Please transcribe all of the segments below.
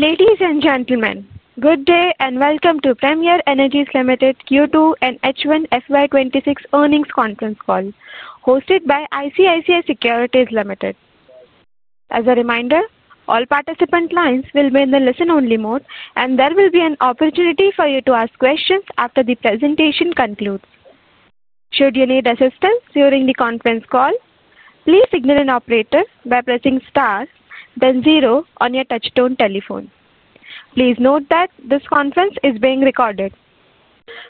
Ladies and gentlemen, good day and welcome to Premier Energies Limited Q2 and H1 FY 2026 earnings conference call hosted by ICICI Securities Limited. As a reminder, all participant lines will be in the listen-only mode, and there will be an opportunity for you to ask questions after the presentation concludes. Should you need assistance during the conference call, please signal an operator by pressing star, then zero on your touch-tone telephone. Please note that this conference is being recorded.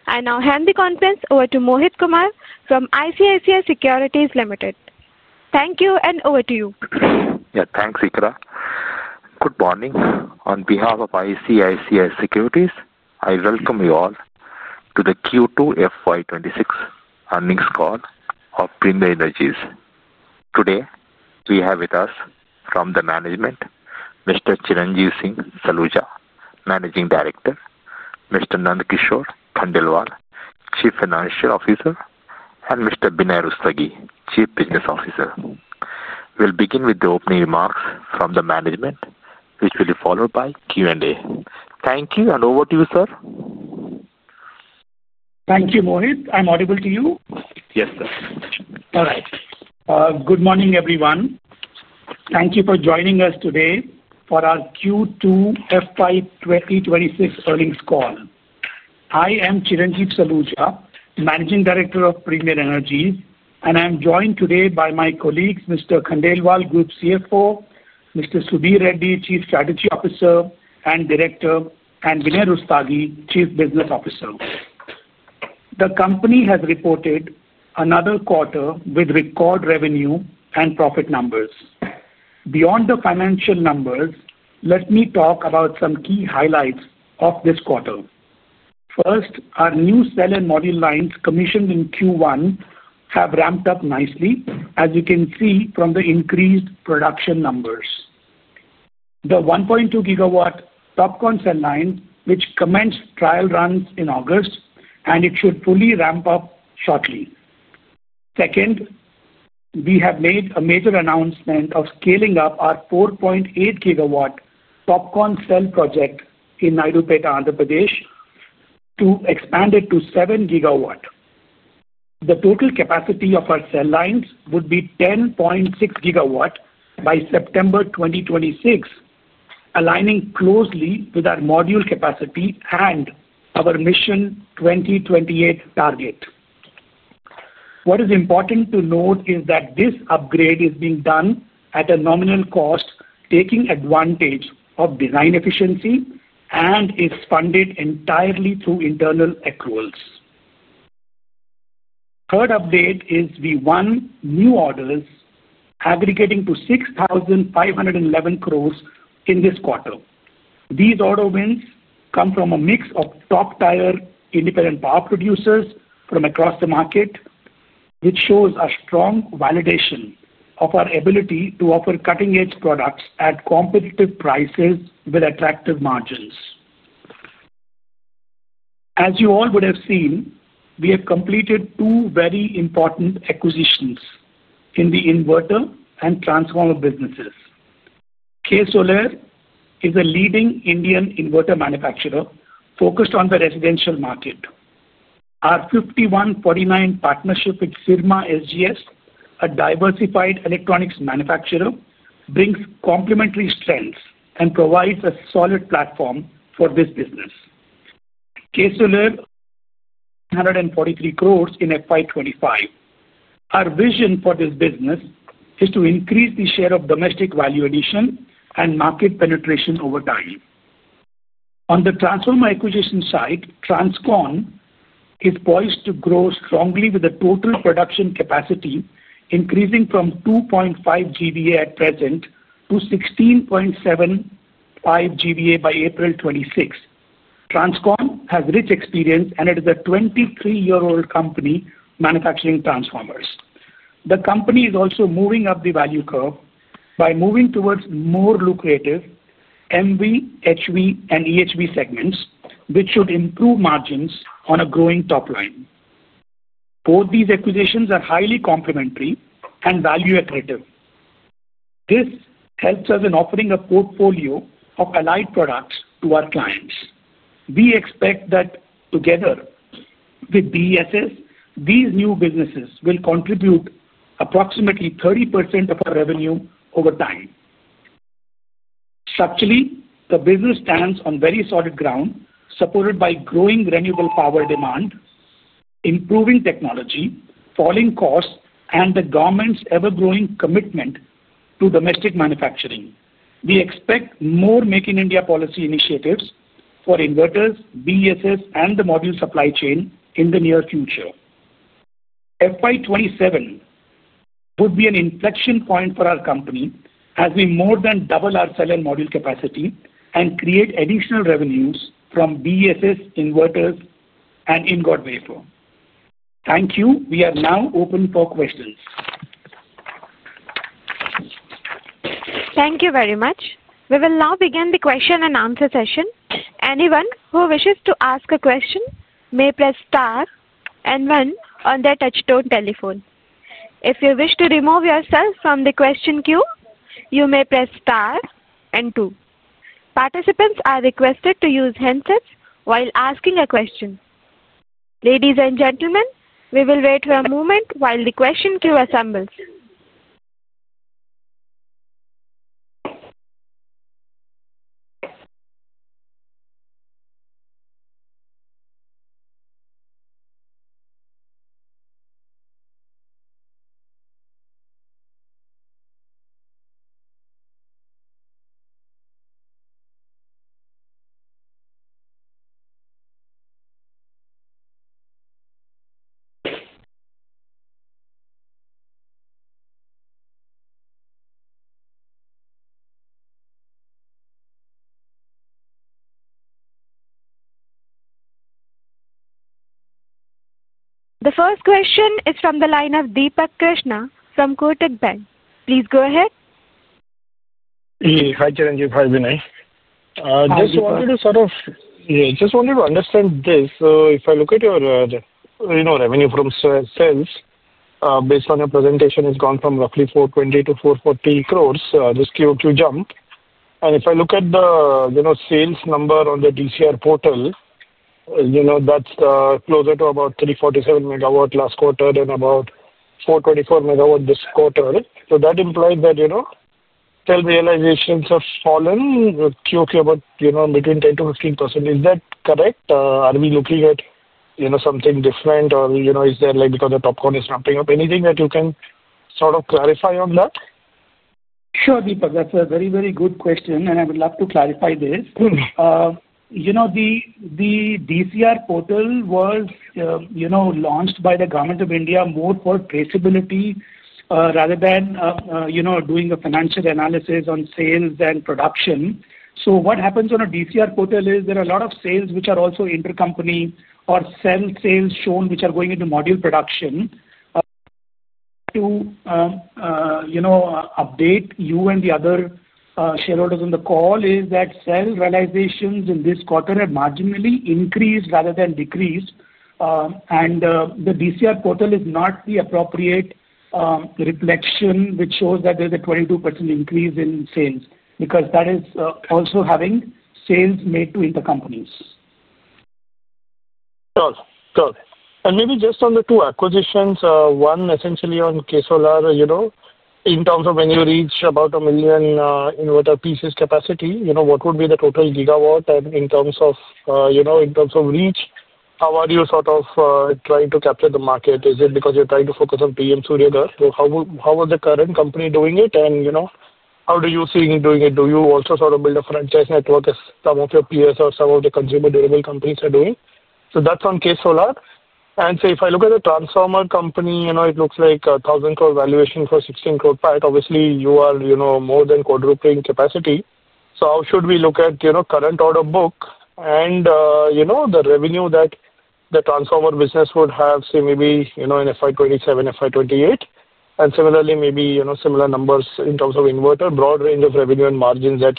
I now hand the conference over to Mohit Kumar from ICICI Securities Limited. Thank you and over to you. Yeah, thanks, Ikera. Good morning. On behalf of ICICI Securities, I welcome you all to the Q2 FY 2026 earnings call of Premier Energies. Today, we have with us from the management Mr. Chiranjeev Singh Saluja, Managing Director, Mr. Nand Kishore Khandelwal, Chief Financial Officer, and Mr. Vinay Rustagi, Chief Business Officer. We'll begin with the opening remarks from the management, which will be followed by Q&A. Thank you and over to you, sir. Thank you, Mohit. I'm audible to you? Yes, sir. All right. Good morning, everyone. Thank you for joining us today for our Q2 FY 2026 earnings call. I am Chiranjeev Singh Saluja, Managing Director of Premier Energies, and I'm joined today by my colleagues, Mr. Nand Kishore Khandelwal, Group CFO, Mr. Subir Reddy, Chief Strategy Officer and Director, and Vinay Rustagi, Chief Business Officer. The company has reported another quarter with record revenue and profit numbers. Beyond the financial numbers, let me talk about some key highlights of this quarter. First, our new cell and module lines commissioned in Q1 have ramped up nicely, as you can see from the increased production numbers. The 1.2 GW TOPCon cell line, which commenced trial runs in August, should fully ramp up shortly. Second, we have made a major announcement of scaling up our 4.8 GW TOPCon cell project in Nairobi and Andhra Pradesh to expand it to 7 GW. The total capacity of our cell lines would be 10.6 GW by September 2026, aligning closely with our module capacity and our mission 2028 target. What is important to note is that this upgrade is being done at a nominal cost, taking advantage of design efficiency, and it's funded entirely through internal accruals. Third update is we won new orders, aggregating to 6,511 crore in this quarter. These order wins come from a mix of top-tier independent power producers from across the market, which shows a strong validation of our ability to offer cutting-edge products at competitive prices with attractive margins. As you all would have seen, we have completed two very important acquisitions in the inverter and transformer businesses. KSolare is a leading Indian inverter manufacturer focused on the residential market. Our 51:49 partnership with Syrma SGS, a diversified electronics manufacturer, brings complementary strengths and provides a solid platform for this business. KSolare is 143 crore in FY 2025. Our vision for this business is to increase the share of domestic value addition and market penetration over time. On the transformer acquisition side, Transcon is poised to grow strongly with a total production capacity increasing from 2.5 GVA at present to 16.75 GVA by April 2026. Transcon has rich experience and it is a 23-year-old company manufacturing transformers. The company is also moving up the value curve by moving towards more lucrative MV, HV, and EHV segments, which should improve margins on a growing top line. Both these acquisitions are highly complementary and value accretive. This helps us in offering a portfolio of allied products to our clients. We expect that together with BESS, these new businesses will contribute approximately 30% of our revenue over time. Structurally, the business stands on very solid ground, supported by growing renewable power demand, improving technology, falling costs, and the government's ever-growing commitment to domestic manufacturing. We expect more Make in India policy initiatives for inverters, BESS, and the module supply chain in the near future. FY 2027 would be an inflection point for our company as we more than double our cell and module capacity and create additional revenues from BESS, inverters, and ingot wafer. Thank you. We are now open for questions. Thank you very much. We will now begin the question and answer session. Anyone who wishes to ask a question may press star and one on their touch-tone telephone. If you wish to remove yourself from the question queue, you may press star and two. Participants are requested to use handsets while asking a question. Ladies and gentlemen, we will wait for a moment while the question queue assembles. The first question is from the line of Deepak Krishna from Kotak Bank. Please go ahead. Hi, Chiranjeev. Hi, Vinay. Hi. Just wanted to understand this. If I look at your revenue from sales, based on your presentation, it's gone from roughly 420-440 crore, this Q2 jump. If I look at the sales number on the DCR portal, that's closer to about 347 MW last quarter and about 424 MW this quarter. That implies that sales realizations have fallen with Q2 about in between 10%-15%. Is that correct? Are we looking at something different, or is there, like, because the TOPCon is ramping up, anything that you can clarify on that? Sure, Deepak. That's a very, very good question, and I would love to clarify this. The DCR portal was launched by the government of India more for traceability, rather than doing a financial analysis on sales and production. What happens on a DCR portal is there are a lot of sales which are also intercompany or sales shown which are going into module production. To update you and the other shareholders on the call, sales realizations in this quarter have marginally increased rather than decreased. The DCR portal is not the appropriate reflection which shows that there's a 22% increase in sales because that is also having sales made to intercompanies. Got it. Got it. Maybe just on the two acquisitions, one essentially on K Solar, in terms of when you reach about a million inverter pieces capacity, what would be the total gigawatt and in terms of reach, how are you sort of trying to capture the market? Is it because you're trying to focus on PM Surya Ghar? How is the current company doing it, and how do you see doing it? Do you also sort of build a franchise network as some of your peers or some of the consumer durable companies are doing? That's on KSolare. If I look at the transformer company, it looks like 1,000 crore valuation for 16 crore pack. Obviously, you are more than quadrupling capacity. How should we look at current order book and the revenue that the transformer business would have, say, maybe in FY 2027, FY 2028, and similarly, maybe similar numbers in terms of inverter, broad range of revenue and margins that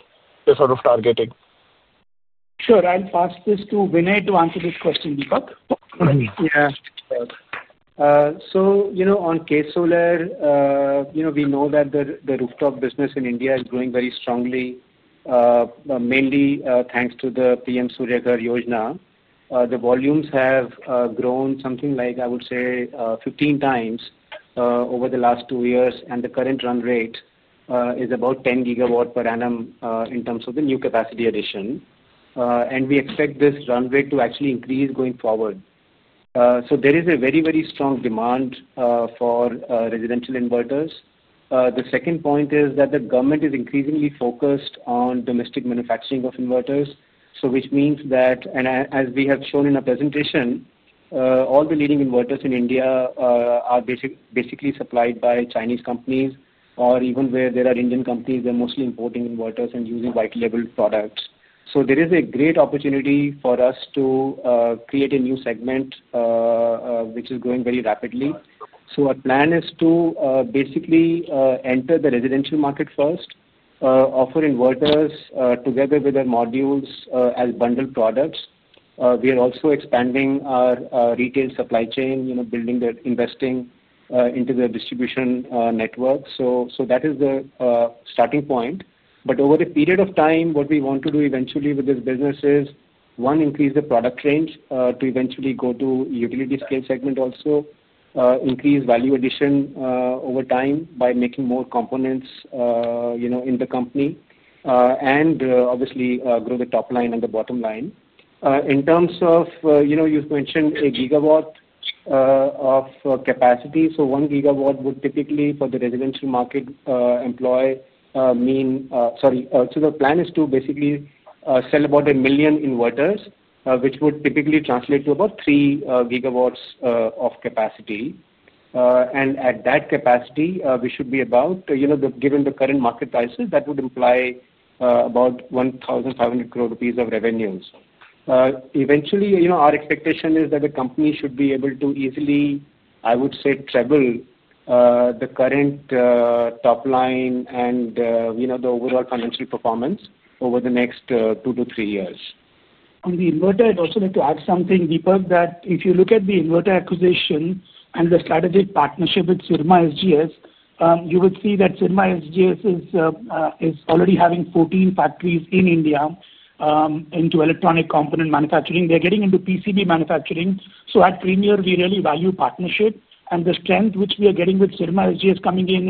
you're sort of targeting? Sure. I'll pass this to Vinay to answer this question, Deepak. Yeah, you know, on KSolare, we know that the rooftop business in India is growing very strongly, mainly thanks to the PM Surya Ghar. The volumes have grown something like, I would say, 15x over the last two years. The current run rate is about 10 GW per annum in terms of the new capacity addition. We expect this run rate to actually increase going forward. There is a very, very strong demand for residential inverters. The second point is that the government is increasingly focused on domestic manufacturing of inverters, which means that, as we have shown in our presentation, all the leading inverters in India are basically supplied by Chinese companies. Even where there are Indian companies, they're mostly importing inverters and using white-labeled products. There is a great opportunity for us to create a new segment, which is growing very rapidly. Our plan is to basically enter the residential market first, offer inverters together with their modules as bundled products. We are also expanding our retail supply chain, building and investing into their distribution network. That is the starting point. Over a period of time, what we want to do eventually with this business is, one, increase the product range to eventually go to a utility-scale segment also, increase value addition over time by making more components in the company, and obviously grow the top line and the bottom line. In terms of, you know, you've mentioned a gigawatt of capacity. 1 GW would typically, for the residential market, employ, mean, sorry. The plan is to basically sell about a million inverters, which would typically translate to about 3 GW of capacity. At that capacity, we should be about, you know, given the current market prices, that would imply about 1,500 crore rupees of revenues. Eventually, our expectation is that the company should be able to easily, I would say, treble the current top line and the overall financial performance over the next two to three years. The inverter, I'd also like to add something, Deepak, that if you look at the inverter acquisition and the strategic partnership with Syrma SGS, you would see that Syrma SGS is already having 14 factories in India, into electronic component manufacturing. They're getting into PCB manufacturing. At Premier, we really value partnership. The strength which we are getting with Syrma SGS coming in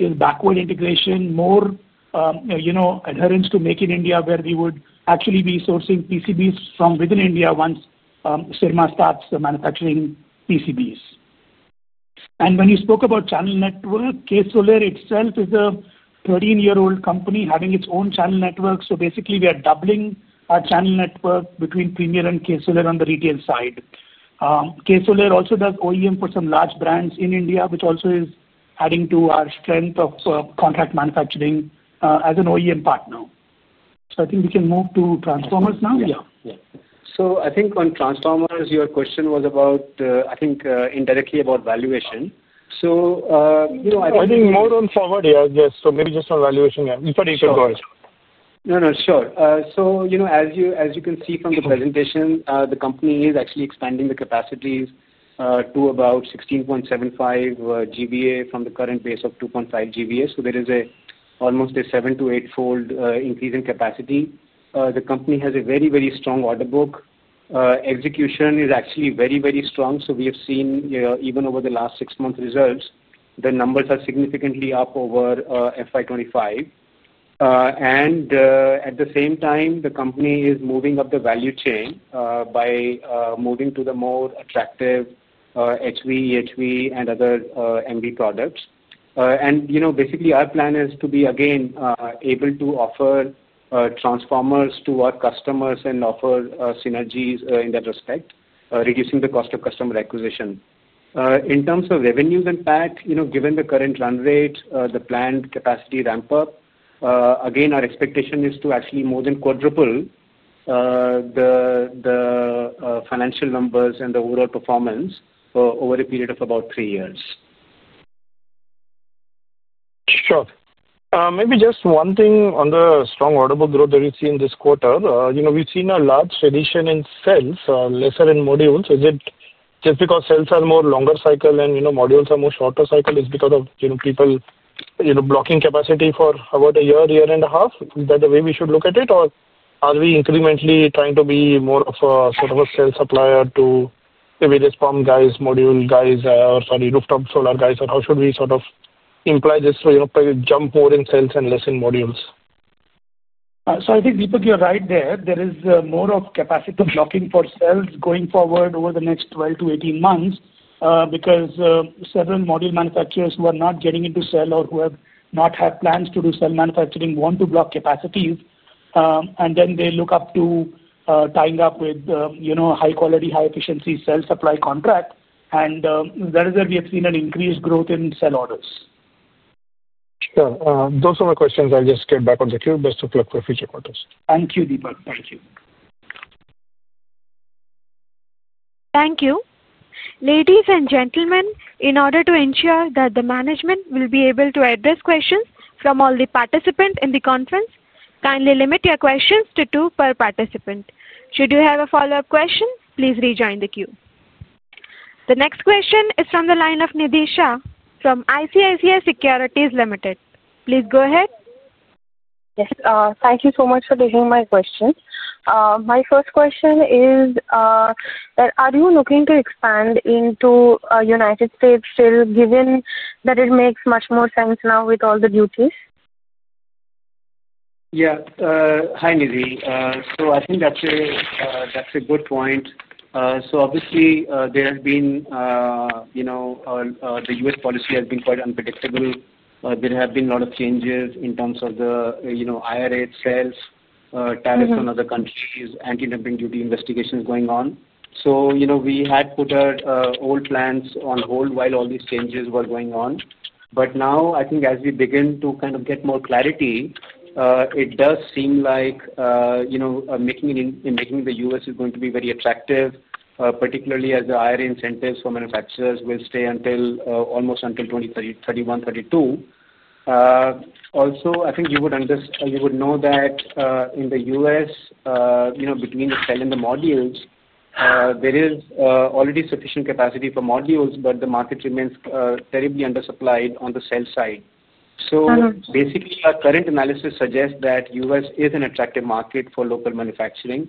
is backward integration, more adherence to Make in India, where we would actually be sourcing PCBs from within India once Syrma starts manufacturing PCBs. When you spoke about channel network, KSolare itself is a 13-year-old company having its own channel network. Basically, we are doubling our channel network between Premier and KSolare on the retail side. KSolare also does OEM for some large brands in India, which also is adding to our strength of contract manufacturing as an OEM partner. I think we can move to transformers now. Yeah. I think on transformers, your question was about, I think, indirectly about valuation. I think more on forward, yes. Maybe just on valuation. You can go ahead. No, no, sure. As you can see from the presentation, the company is actually expanding the capacities to about 16.75 GVA from the current base of 2.5 GVA. There is almost a seven to eight-fold increase in capacity. The company has a very, very strong order book. Execution is actually very, very strong. We have seen, even over the last six months' results, the numbers are significantly up over FY 2025. At the same time, the company is moving up the value chain by moving to the more attractive HV, EHV, and other MV products. Basically, our plan is to be able to offer transformers to our customers and offer synergies in that respect, reducing the cost of customer acquisition. In terms of revenues and PAT, given the current run rate and the planned capacity ramp-up, our expectation is to actually more than quadruple the financial numbers and the overall performance over a period of about three years. Sure. Maybe just one thing on the strong order book growth that we've seen this quarter. You know, we've seen a large tradition in cells, lesser in modules. Is it just because cells are more longer cycle and, you know, modules are more shorter cycle? It's because of, you know, people blocking capacity for about a year, year and a half? Is that the way we should look at it? Or are we incrementally trying to be more of a sort of a cell supplier to the various pump guys, module guys, or, sorry, rooftop solar guys? How should we sort of imply this through, you know, probably jump more in cells and less in modules? I think, Deepak, you're right there. There is more of capacity blocking for cells going forward over the next 12-18 months, because several module manufacturers who are not getting into cell or who have not had plans to do cell manufacturing want to block capacities, and then they look up to tying up with, you know, high-quality, high-efficiency cell supply contract. That is where we have seen an increased growth in cell orders. Sure, those are my questions. I'll just get back on the queue. Best of luck for future quarters. Thank you, Deepak. Thank you. Thank you. Ladies and gentlemen, in order to ensure that the management will be able to address questions from all the participants in the conference, kindly limit your questions to two per participant. Should you have a follow-up question, please rejoin the queue. The next question is from the line of Nidhi Shah from ICICI Securities Limited. Please go ahead. Yes, thank you so much for taking my question. My first question is, are you looking to expand into the U.S. still, given that it makes much more sense now with all the duties? Yeah. Hi, Nidhi. I think that's a good point. Obviously, there has been, you know, the U.S. policy has been quite unpredictable. There have been a lot of changes in terms of the, you know, IRA itself, tariffs on other countries, anti-dumping duty investigations going on. We had put our old plans on hold while all these changes were going on. Now, I think as we begin to kind of get more clarity, it does seem like, you know, making it in, in making the U.S. is going to be very attractive, particularly as the IRA incentives for manufacturers will stay until almost 2031, 2032. Also, I think you would understand, you would know that in the U.S., you know, between the cell and the modules, there is already sufficient capacity for modules, but the market remains terribly undersupplied on the cell side. Basically, our current analysis suggests that the U.S. is an attractive market for local manufacturing.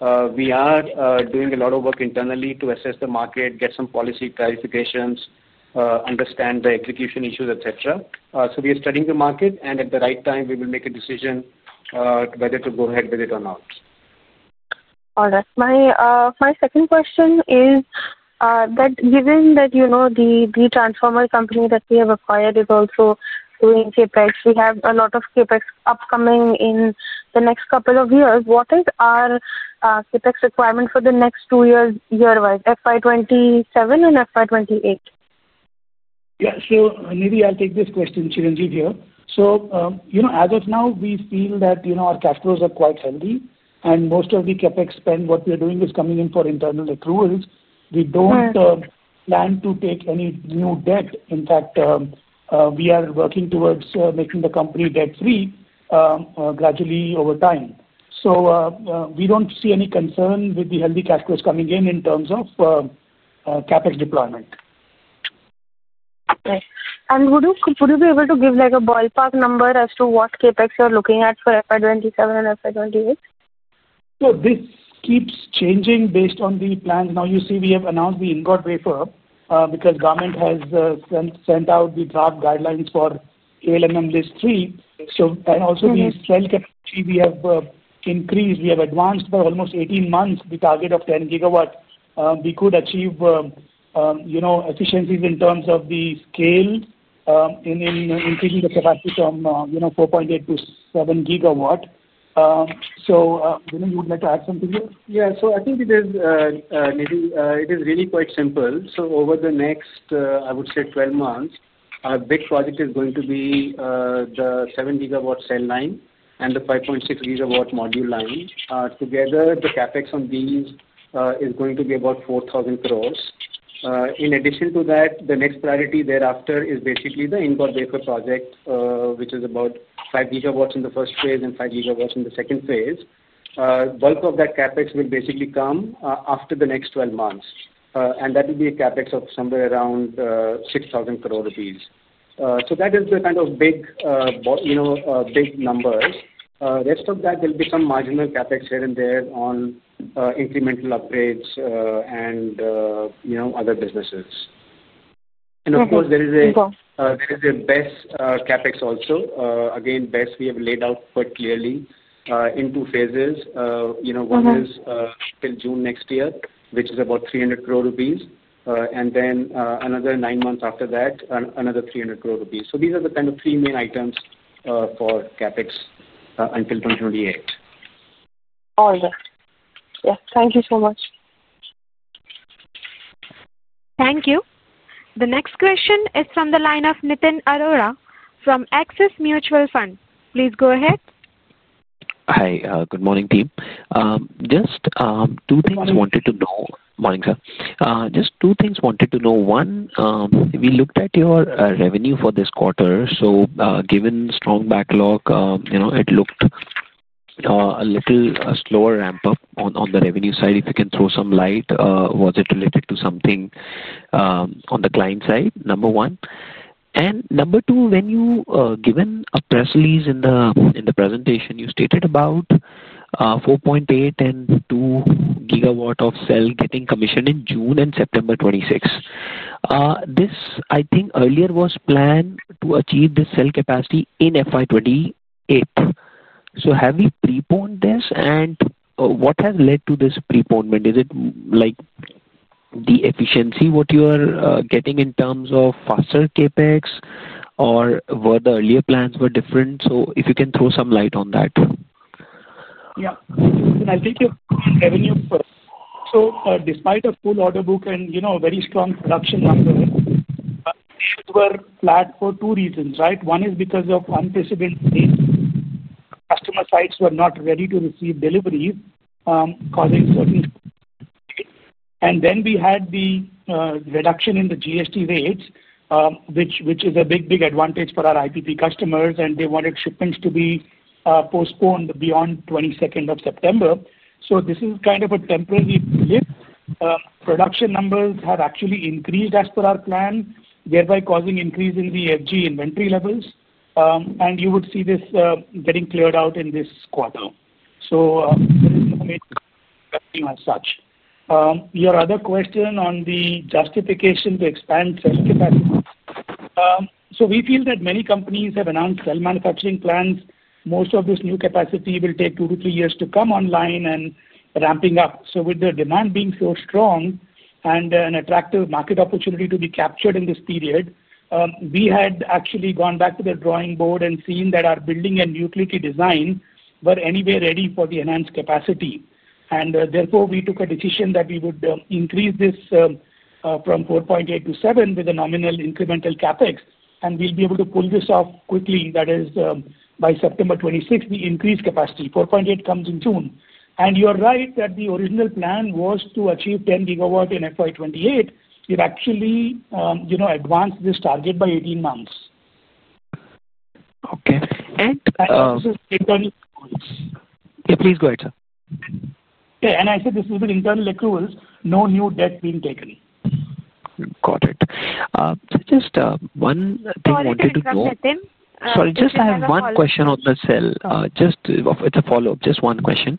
We are doing a lot of work internally to assess the market, get some policy clarifications, understand the execution issues, etc. We are studying the market, and at the right time, we will make a decision whether to go ahead with it or not. All right. My second question is, that given that, you know, the transformer company that we have acquired is also doing CapEx, we have a lot of CapEx upcoming in the next couple of years. What is our CapEx requirement for the next two years, year-wise, FY 2027 and FY 2028? Yeah. Maybe I'll take this question, Chiranjeev here. As of now, we feel that our cash flows are quite healthy, and most of the CapEx spend, what we are doing, is coming in from internal accruals. We don't plan to take any new debt. In fact, we are working towards making the company debt-free, gradually over time. We don't see any concern with the healthy cash flows coming in, in terms of CapEx deployment. Okay, would you be able to give like a ballpark number as to what CapEx you're looking at for FY 2027 and FY 2028? This keeps changing based on the plans. Now, you see, we have announced the ingot wafer because the government has sent out the draft guidelines for ALMM list three. Also, the cell technology, we have increased. We have advanced for almost 18 months the target of 10 GW. We could achieve efficiencies in terms of the scale, in increasing the capacity from 4.8 GW-7 GW. Would you like to add something here? Yeah. I think it is really quite simple. Over the next, I would say, 12 months, our big project is going to be the 7 GW cell line and the 5.6 GW module line. Together, the CapEx on these is going to be about 4,000 crore. In addition to that, the next priority thereafter is basically the ingot wafer project, which is about 5 GW in the first phase and 5 GW in the second phase. Bulk of that CapEx will basically come after the next 12 months, and that will be a CapEx of somewhere around 6,000 crore rupees. That is the kind of big numbers. The rest of that, there'll be some marginal CapEx here and there on incremental upgrades and other businesses. Of course, there is a BESS CapEx also. Again, BESS, we have laid out quite clearly in two phases. One is till June next year, which is about 300 crore rupees, and then another nine months after that, another 300 crore rupees. These are the kind of three main items for CapEx until 2028. All right. Thank you so much. Thank you. The next question is from the line of Nitin Arora from Axis Mutual Fund. Please go ahead. Hi. Good morning, team. Just two things I wanted to know. Morning, sir. Just two things I wanted to know. One, we looked at your revenue for this quarter. Given the strong backlog, it looked a little slower ramp-up on the revenue side. If you can throw some light, was it related to something on the client side, number one? Number two, when you, given a press release in the presentation, you stated about 4.8 GW and 2 GW of cell getting commissioned in June and September 2026. This, I think, earlier was planned to achieve this cell capacity in FY 2028. Have we preponed this? What has led to this preponement? Is it like the efficiency what you're getting in terms of faster CapEx, or were the earlier plans different? If you can throw some light on that. Yeah. I think your revenue first. Despite a full order book and, you know, a very strong production number, we were flat for two reasons, right? One is because of unprecedented pain. Customer sites were not ready to receive deliveries, causing certain issues. We had the reduction in the GST rates, which is a big, big advantage for our IPP customers, and they wanted shipments to be postponed beyond 22nd of September. This is kind of a temporary lift. Production numbers have actually increased as per our plan, thereby causing an increase in the FG inventory levels. You would see this getting cleared out in this quarter. There is no major revenue as such. Your other question on the justification to expand cell capacity. We feel that many companies have announced cell manufacturing plans. Most of this new capacity will take two to three years to come online and ramping up. With the demand being so strong and an attractive market opportunity to be captured in this period, we had actually gone back to the drawing board and seen that our building and utility design were anyway ready for the enhanced capacity. Therefore, we took a decision that we would increase this from 4.8 GW-7 GW with a nominal incremental CapEx. We'll be able to pull this off quickly. That is, by September 2026, we increase capacity. 4.8 comes in June. You're right that the original plan was to achieve 10 GW in FY 2028. We've actually, you know, advanced this target by 18 months. Okay. And. This is with internal accruals. Yeah, please go ahead, sir. Yeah, I said this is with internal accruals, no new debt being taken. Got it. Just one thing I wanted to go. Sorry, I have one question on the cell. It's a follow-up. Just one question.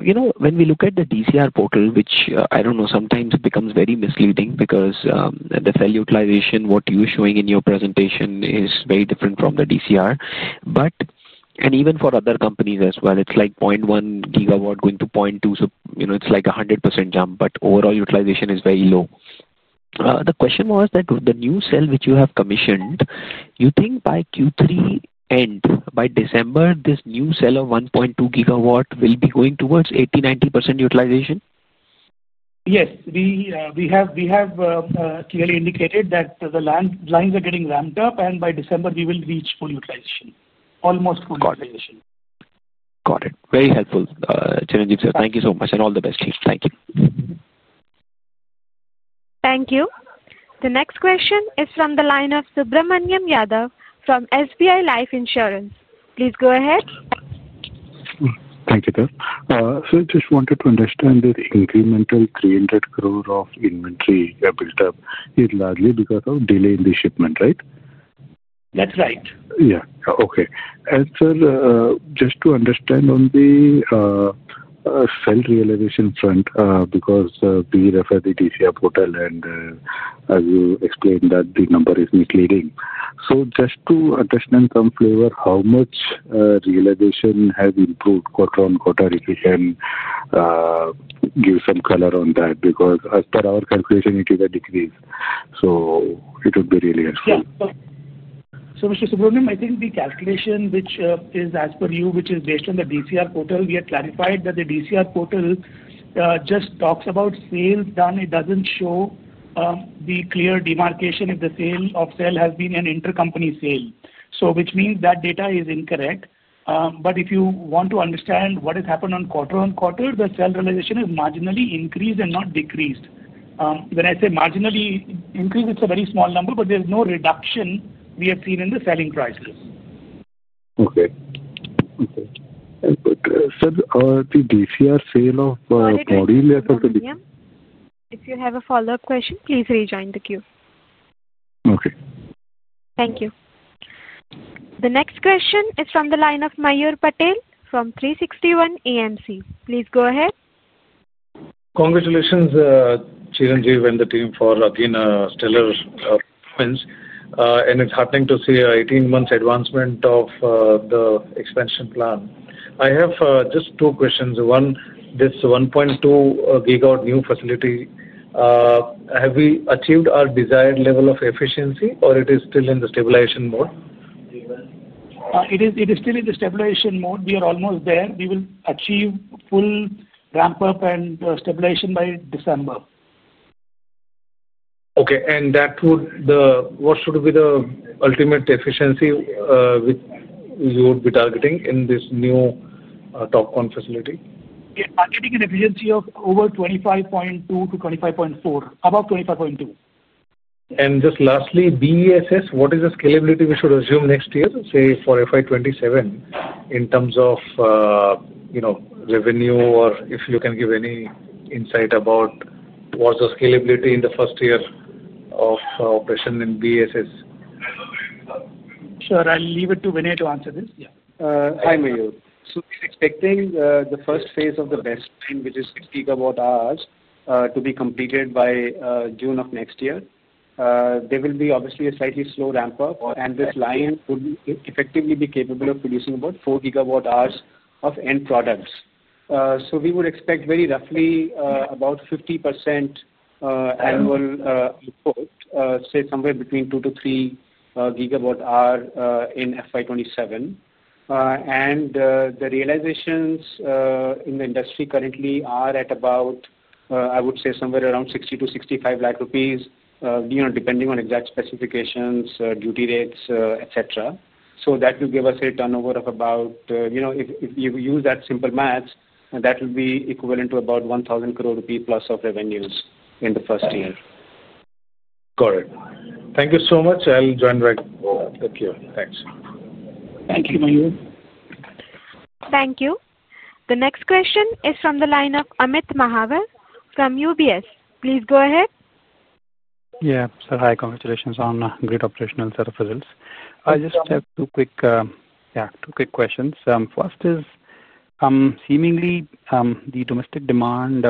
You know, when we look at the DCR portal, which, I don't know, sometimes it becomes very misleading because the cell utilization you're showing in your presentation is very different from the DCR. Even for other companies as well, it's like 0.1 GW going to 0.2 GW it's like a 100% jump, but overall utilization is very low. The question was that with the new cell which you have commissioned, do you think by Q3 and by December, this new cell of 1.2 GW will be going towards 80%, 90% utilization? Yes, we have clearly indicated that the lines are getting ramped up, and by December, we will reach full utilization, almost full utilization. Got it. Very helpful. Chiranjeev, sir, thank you so much. All the best, team. Thank you. Thank you. The next question is from the line of Subramanyam Yadav from SBI Life Insurance. Please go ahead. Thank you, sir. I just wanted to understand this incremental 300 crore of inventory built up is largely because of delay in the shipment, right? That's right. Okay. Sir, just to understand on the cell realization front, because we refer the DCR portal and, as you explained, that the number is misleading. Just to understand some flavor, how much realization has improved quarter-on-quarter? If you can give some color on that because as per our calculation, it is a decrease. It would be really helpful. Yeah. Mr. Subramanyam, I think the calculation which is as per you, which is based on the DCR portal, we had clarified that the DCR portal just talks about sales done. It doesn't show the clear demarcation if the sale of cell has been an intercompany sale, which means that data is incorrect. If you want to understand what has happened on quarter on quarter, the cell realization has marginally increased and not decreased. When I say marginally increased, it's a very small number, but there's no reduction we have seen in the selling prices. Okay. Sir, the DCR sale of module as of. If you have a follow-up question, please rejoin the queue. Okay. Thank you. The next question is from the line of Mayur Patel from 361 AMC. Please go ahead. Congratulations, Chiranjeev and the team for, again, a stellar win. It's happening to see an 18-month advancement of the expansion plan. I have just two questions. One, this 1.2 GW new facility, have we achieved our desired level of efficiency or is it still in the stabilization mode? It is still in the stabilization mode. We are almost there. We will achieve full ramp-up and stabilization by December. Okay. What should be the ultimate efficiency you would be targeting in this new TOPCon facility? We are targeting an efficiency of over 25.2%-25.4%, about 25.2%. battery energy storage systems, what is the scalability we should assume next year, say, for FY 2027 in terms of revenue, or if you can give any insight about what's the scalability in the first year of operation in battery energy storage systems? Sure, I'll leave it to Vinay to answer this. Yeah. Hi, Mayur. We're expecting the first phase of the BESS line, which is 6 GWh, to be completed by June of next year. There will be obviously a slightly slow ramp-up, and this line would effectively be capable of producing about 4 GWh of end products. We would expect very roughly about 50% annual output, say, somewhere between 2 GWh-3 GWh in FY 2027. The realizations in the industry currently are at about, I would say, somewhere around 60-65, you know, depending on exact specifications, duty rates, etc. That will give us a turnover of about, you know, if you use that simple math, that will be equivalent to about 1,000 crore rupee plus of revenues in the first year. Got it. Thank you so much. I'll join right back here. Thanks. Thank you, Mayur. Thank you. The next question is from the line of Amit Mahawar from UBS. Please go ahead. Yeah, sir. Hi. Congratulations on a great operational set of results. I just have two quick, yeah, two quick questions. First is, seemingly, the domestic demand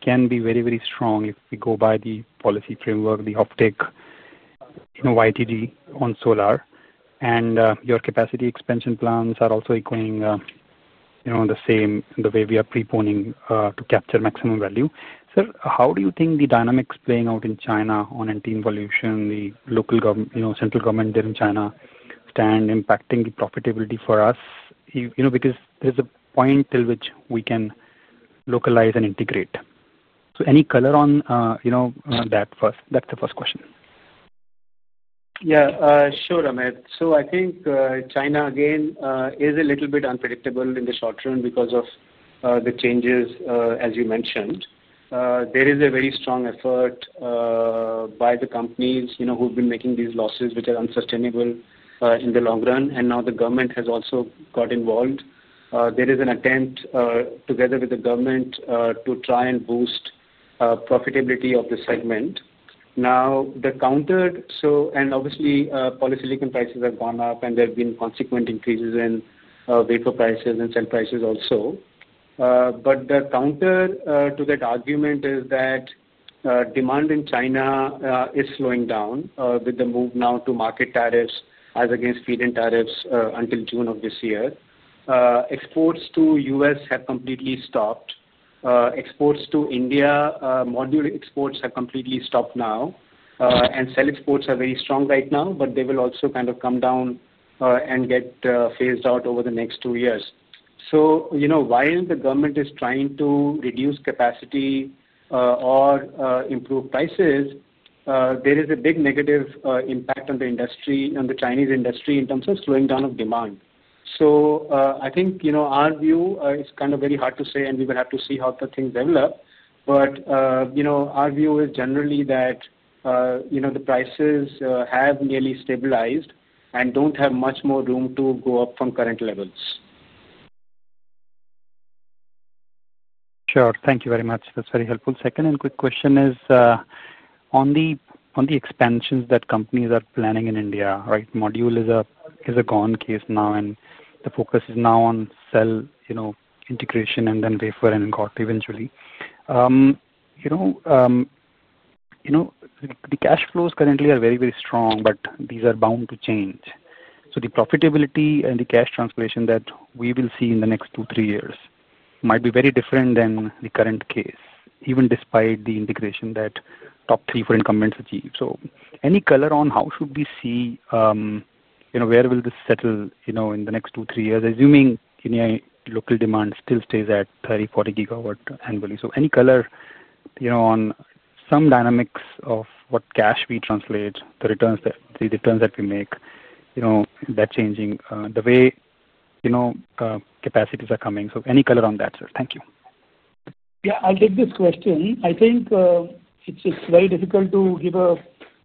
can be very, very strong if we go by the policy framework, the optic, you know, YTD on solar. Your capacity expansion plans are also echoing the same the way we are preponing to capture maximum value. Sir, how do you think the dynamics playing out in China on anti-involution, the local government, you know, central government there in China stand impacting the profitability for us? There is a point till which we can localize and integrate. Any color on that first? That's the first question. Yeah, sure, Amit. I think China, again, is a little bit unpredictable in the short term because of the changes, as you mentioned. There is a very strong effort by the companies who've been making these losses, which are unsustainable in the long run. Now the government has also got involved. There is an attempt, together with the government, to try and boost profitability of the segment. Now, the counter to that argument is that polysilicon prices have gone up, and there have been consequent increases in wafer prices and cell prices also. The counter to that argument is that demand in China is slowing down, with the move now to market tariffs as against feed-in tariffs, until June of this year. Exports to the U.S. have completely stopped. Exports to India, module exports have completely stopped now. Cell exports are very strong right now, but they will also kind of come down and get phased out over the next two years. While the government is trying to reduce capacity or improve prices, there is a big negative impact on the industry, on the Chinese industry in terms of slowing down of demand. I think our view, it's kind of very hard to say, and we will have to see how things develop. Our view is generally that the prices have nearly stabilized and don't have much more room to go up from current levels. Sure. Thank you very much. That's very helpful. Second and quick question is, on the expansions that companies are planning in India, right? Module is a gone case now, and the focus is now on cell integration and then wafer and ingot eventually. The cash flows currently are very, very strong, but these are bound to change. The profitability and the cash translation that we will see in the next two, three years might be very different than the current case, even despite the integration that top three or incumbents achieve. Any color on how should we see where will this settle in the next two, three years, assuming India local demand still stays at 30 GW, 40 GW annually? Any color on some dynamics of what cash we translate, the returns that we make, that changing, the way capacities are coming. Any color on that, sir. Thank you. Yeah. I'll take this question. I think it's very difficult to give a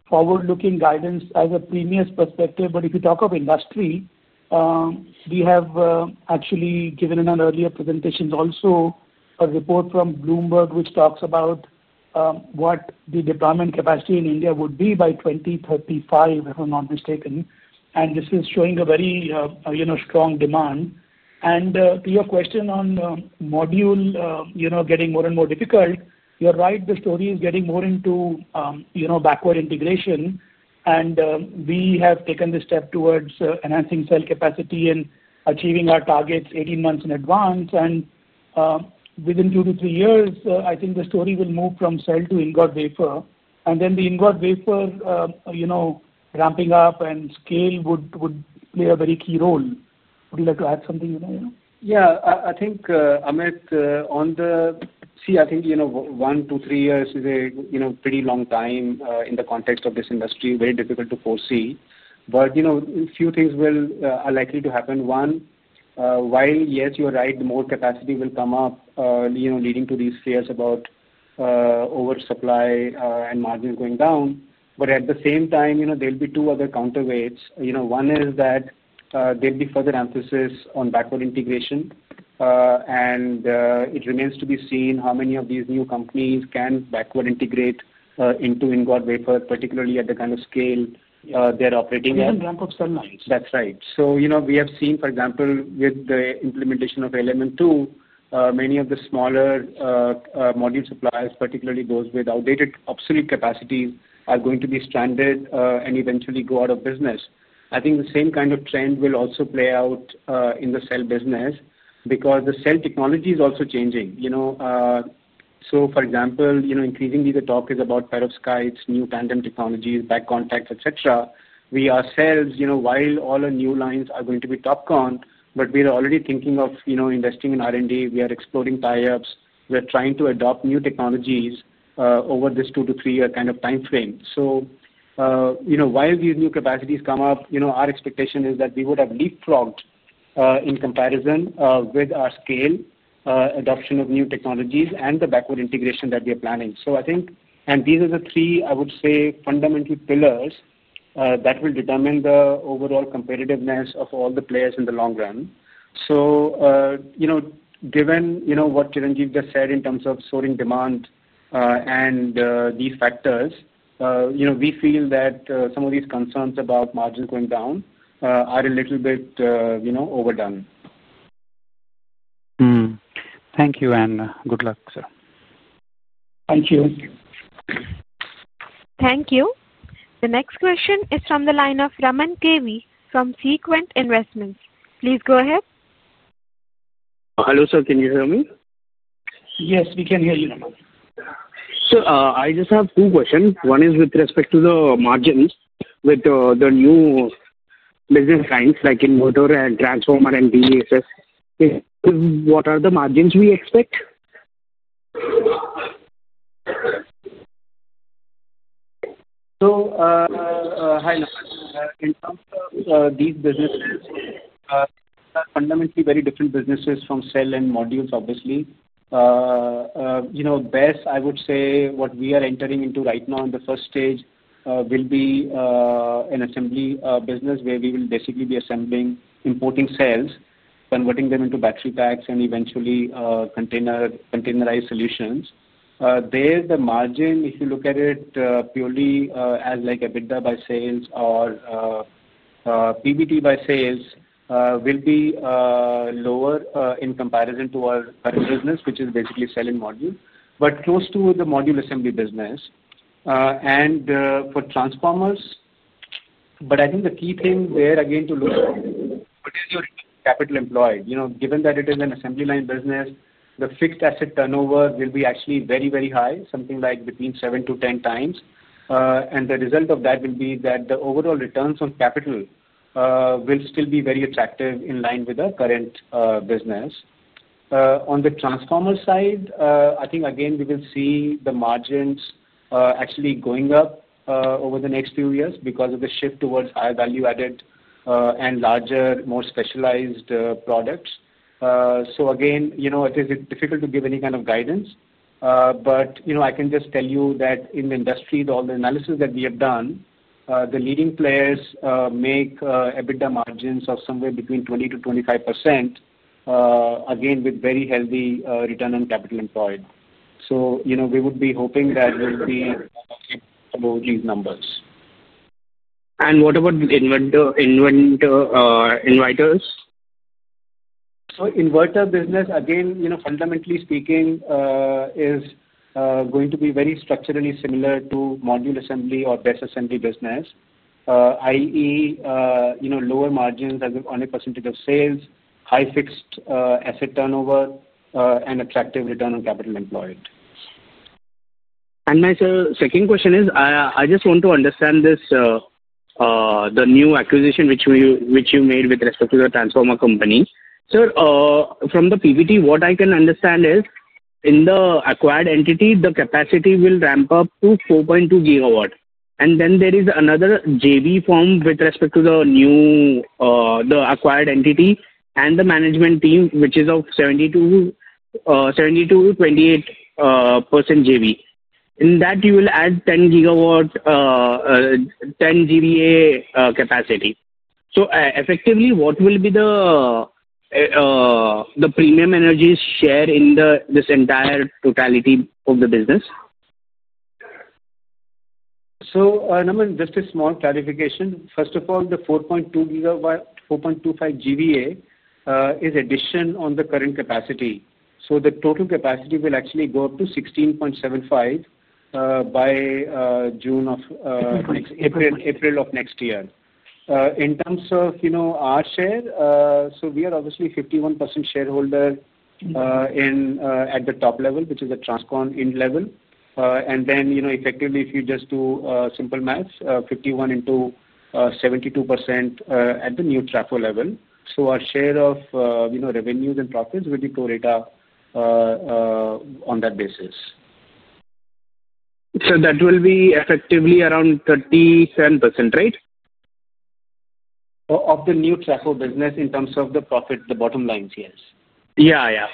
forward-looking guidance as a previous perspective. If you talk of industry, we have actually given in an earlier presentation also a report from Bloomberg, which talks about what the deployment capacity in India would be by 2035, if I'm not mistaken. This is showing a very strong demand. To your question on module, you know, getting more and more difficult, you're right. The story is getting more into backward integration. We have taken this step towards enhancing cell capacity and achieving our targets 18 months in advance. Within two to three years, I think the story will move from cell to ingot wafer. The ingot wafer ramping up and scale would play a very key role. Would you like to add something, Vinay? Yeah. I think, Amit, one, two, three years is a pretty long time in the context of this industry, very difficult to foresee. A few things are likely to happen. One, while yes, you're right, more capacity will come up, leading to these fears about oversupply and margins going down. At the same time, there'll be two other counterweights. One is that there'll be further emphasis on backward integration, and it remains to be seen how many of these new companies can backward integrate into ingot wafer, particularly at the kind of scale they're operating at. Even ramp-up cell lines. That's right. We have seen, for example, with the implementation of ALMM policy, many of the smaller module suppliers, particularly those with outdated, obsolete capacities, are going to be stranded and eventually go out of business. I think the same kind of trend will also play out in the cell business because the cell technology is also changing. For example, increasingly, the talk is about perovskites, new tandem technologies, back contacts, etc. We ourselves, while all our new lines are going to be TOPCon, are already thinking of investing in R&D. We are exploring tie-ups and trying to adopt new technologies over this two to three-year kind of timeframe. While these new capacities come up, our expectation is that we would have leapfrogged in comparison with our scale, adoption of new technologies, and the backward integration that we are planning. I think these are the three fundamental pillars that will determine the overall competitiveness of all the players in the long run. Given what Chiranjeev Singh Saluja just said in terms of soaring demand and these factors, we feel that some of these concerns about margins going down are a little bit overdone. Thank you, and good luck, sir. Thank you. Thank you. The next question is from the line of Raman Kerti from Sequent Investments. Please go ahead. Hello, sir. Can you hear me? Yes, we can hear you, Raman. I just have two questions. One is with respect to the margins with the new business lines, like inverter and transformer and BESS. What are the margins we expect? Hi, Kerti. In terms of these businesses, these are fundamentally very different businesses from cell and modules, obviously. You know, battery energy storage systems, I would say what we are entering into right now in the first stage will be an assembly business where we will basically be assembling, importing cells, converting them into battery packs, and eventually containerized solutions. There, the margin, if you look at it purely as like EBITDA by sales or PBT by sales, will be lower in comparison to our current business, which is basically cell and module, but close to the module assembly business and for transformers. I think the key thing there, again, is to look at what is your capital employed. Given that it is an assembly line business, the fixed asset turnover will be actually very, very high, something like between 7x-10x. The result of that will be that the overall returns on capital will still be very attractive in line with our current business. On the transformer side, I think, again, we will see the margins actually going up over the next few years because of the shift towards higher value-added and larger, more specialized products. Again, it is difficult to give any kind of guidance, but I can just tell you that in the industry, all the analysis that we have done, the leading players make EBITDA margins of somewhere between 20%-25%, again, with very healthy return on capital employed. We would be hoping that we'll be able to lower these numbers. What about the inverters? The inverter business, again, fundamentally speaking, is going to be very structured and is similar to module assembly or BESS assembly business, i.e., lower margins as a percentage of sales, high fixed asset turnover, and attractive return on capital employed. My second question is, I just want to understand this, the new acquisition which you made with respect to the transformer company. Sir, from the PBT, what I can understand is in the acquired entity, the capacity will ramp up to 4.2 GW. There is another JV formed with respect to the new, the acquired entity and the management team, which is of 72%-28% JV. In that, you will add 10 GW, 10 GVA, capacity. Effectively, what will be the Premier Energies share in this entire totality of the business? Raman, just a small clarification. First of all, the 4.2 GW, 4.25 GVA, is addition on the current capacity. The total capacity will actually go up to 16.75 by April of next year. In terms of our share, we are obviously 51% shareholder at the top level, which is the Transcon Inn level. Then, if you just do a simple math, 51% into 72% at the new trafo level. Our share of revenues and profits will be perita on that basis. That will be effectively around 37%, right? Of the new transformer business in terms of the profit, the bottom lines, yes. Yeah, yeah.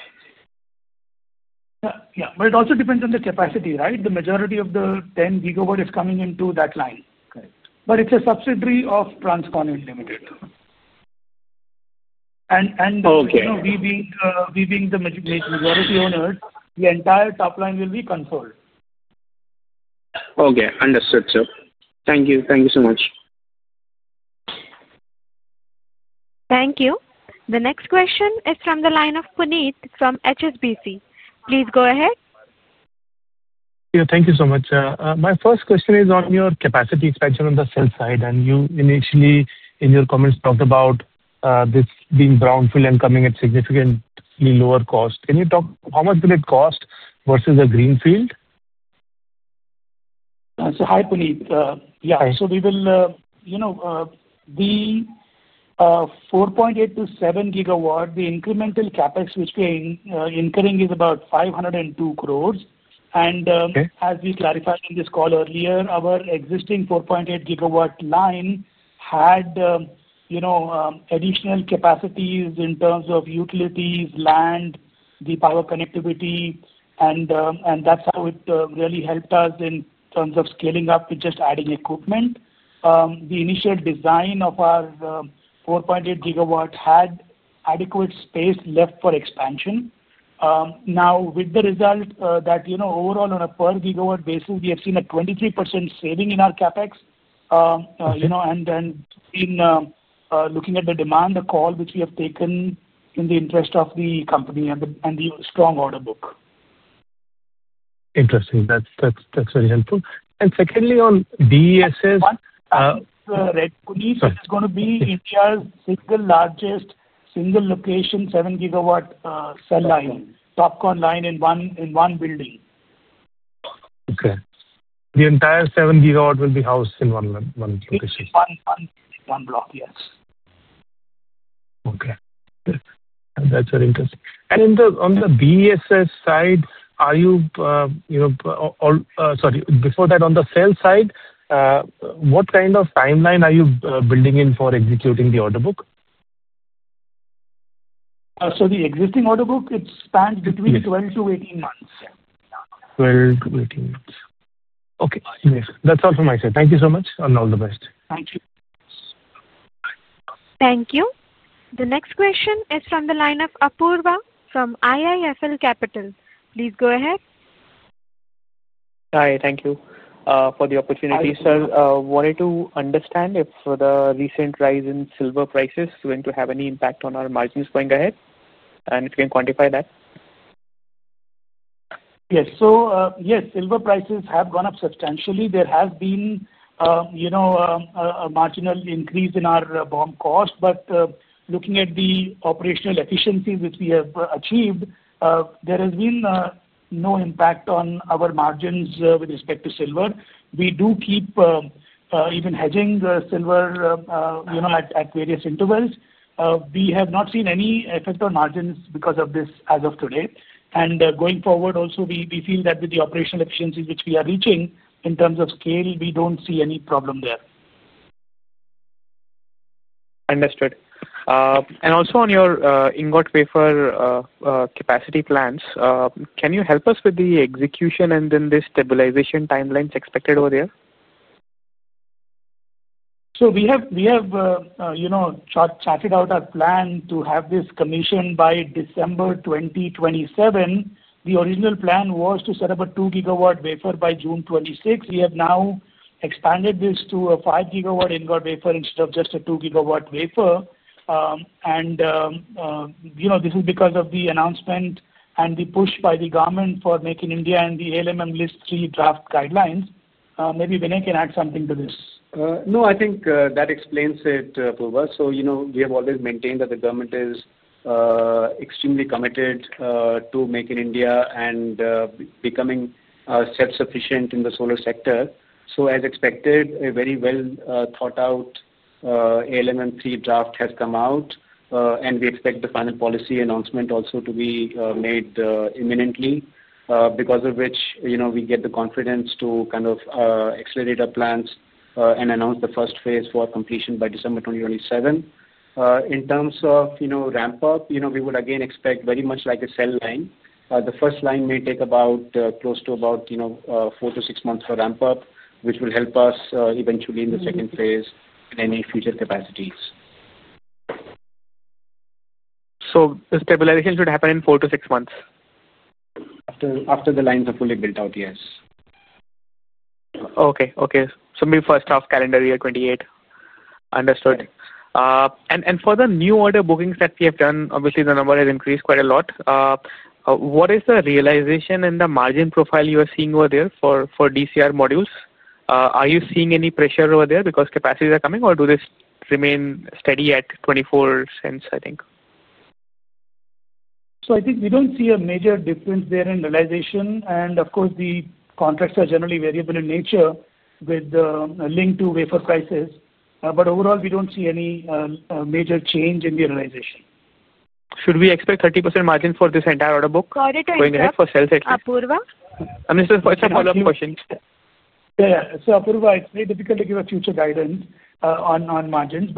Yeah, yeah. It also depends on the capacity, right? The majority of the 10 GW is coming into that line. Correct. It's a subsidiary of Transcon. We being the majority owners, the entire top line will be console. Okay. Understood, sir. Thank you. Thank you so much. Thank you. The next question is from the line of Kunit from HSBC. Please go ahead. Thank you so much. My first question is on your capacity expansion on the cell side. You initially, in your comments, talked about this being brownfield and coming at significantly lower cost. Can you talk how much will it cost versus a greenfield? Hi, Kunit. We will, you know, the 4.8 GW-7 GW, the incremental CapEx which we are incurring is about 502 crore. As we clarified on this call earlier, our existing 4.8 GW line had, you know, additional capacities in terms of utilities, land, the power connectivity. That's how it really helped us in terms of scaling up with just adding equipment. The initial design of our 4.8 GW had adequate space left for expansion. Now, with the result that, you know, overall, on a per gigawatt basis, we have seen a 23% saving in our CapEx. You know, and then, in looking at the demand, the call which we have taken in the interest of the company and the strong order book. Interesting. That's very helpful. Secondly, on battery energy storage systems, right, Kunit, it's going to be India's single largest, single location, 7 GW cell line, TOPCon line in one building. Okay. The entire 7 GW will be housed in one location? Yes, one block, yes. Okay. Good. That's very interesting. On the battery energy storage systems side, are you, you know, on the cell side, what kind of timeline are you building in for executing the order book? The existing order book spans between 12-18 months. 12-18 months. Okay. Yes, that's all from my side. Thank you so much and all the best. Thank you. Thank you. The next question is from the line of Apoorva from IIFL Capital. Please go ahead. Hi. Thank you for the opportunity, sir. I wanted to understand if the recent rise in silver prices is going to have any impact on our margins going ahead and if you can quantify that. Yes. Yes, silver prices have gone up substantially. There has been a marginal increase in our bond cost. Looking at the operational efficiencies which we have achieved, there has been no impact on our margins with respect to silver. We do keep hedging silver at various intervals. We have not seen any effect on margins because of this as of today. Going forward, also, we feel that with the operational efficiencies which we are reaching in terms of scale, we don't see any problem there. Understood. Also, on your ingot wafer capacity plans, can you help us with the execution and then the stabilization timelines expected over there? We have charted out our plan to have this commissioned by December 2027. The original plan was to set up a 2 GW wafer by June 2026. We have now expanded this to a 5 GW ingot wafer instead of just a 2 GW wafer. This is because of the announcement and the push by the government for Make in India and the ALMM list three draft guidelines. Maybe Vinay can add something to this. I think that explains it, Apoorva. We have always maintained that the government is extremely committed to Make in India and becoming self-sufficient in the solar sector. As expected, a very well thought-out ALMM three draft has come out, and we expect the final policy announcement also to be made imminently, because of which we get the confidence to kind of accelerate our plans and announce the first phase for completion by December 2027. In terms of ramp-up, we would again expect very much like a cell line. The first line may take about, close to about, four to six months for ramp-up, which will help us eventually in the second phase in any future capacities. The stabilization should happen in four to six months? After the lines are fully built out, yes. Okay. Maybe first half calendar year 2028? Understood. For the new order bookings that we have done, obviously, the number has increased quite a lot. What is the realization and the margin profile you are seeing over there for DCR modules? Are you seeing any pressure over there because capacities are coming, or do they remain steady at $0.24, I think? I think we don't see a major difference there in realization. Of course, the contracts are generally variable in nature with the link to wafer prices. Overall, we don't see any major change in the realization. Should we expect 30% margin for this entire order book going ahead for cells at least? Apoorva? It's a follow-up question. Yeah, it's very difficult to give a future guidance on margins.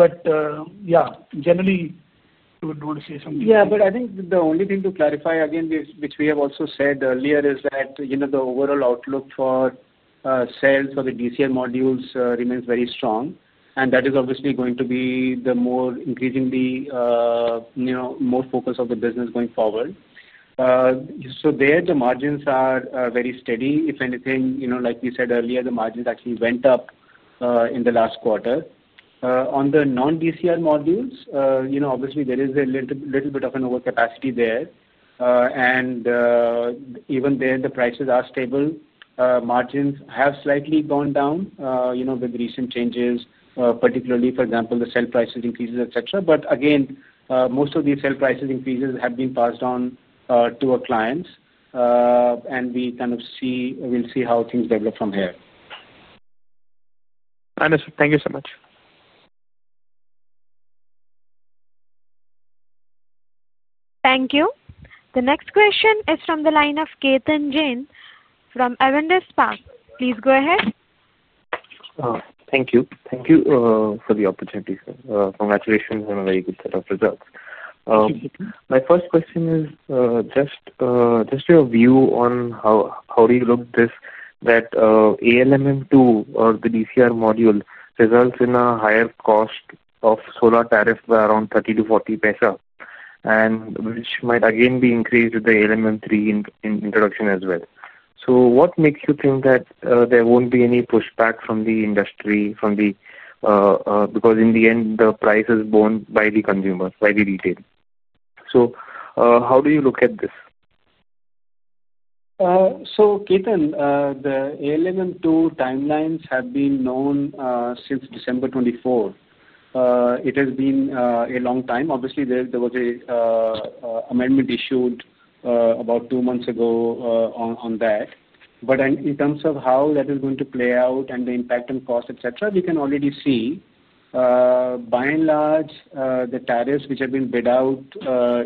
Yeah, generally, you would want to say something? Yeah. I think the only thing to clarify, again, which we have also said earlier, is that, you know, the overall outlook for sales for the DCR modules remains very strong. That is obviously going to be the more increasingly, you know, more focus of the business going forward. There, the margins are very steady. If anything, you know, like we said earlier, the margins actually went up in the last quarter. On the non-DCR modules, you know, obviously, there is a little bit of an overcapacity there, and even there, the prices are stable. Margins have slightly gone down, you know, with recent changes, particularly, for example, the cell prices increases, etc. Most of these cell prices increases have been passed on to our clients, and we kind of see, we'll see how things develop from here. Understood. Thank you so much. Thank you. The next question is from the line of Keith and Jane from Avendus Spark. Please go ahead. Thank you for the opportunity, sir. Congratulations on a very good set of results. My first question is, just your view on how you look at this that ALMM2 or the DCR module results in a higher cost of solar tariff by around 0.30 to 0.40, and which might again be increased with the ALMM3 introduction as well. What makes you think that there won't be any pushback from the industry, because in the end, the price is borne by the consumer, by the retailer? How do you look at this? Keith and the ALMM2 timelines have been known since December 2024. It has been a long time. Obviously, there was an amendment issued about two months ago on that. In terms of how that is going to play out and the impact on cost, etc., we can already see, by and large, the tariffs which have been bid out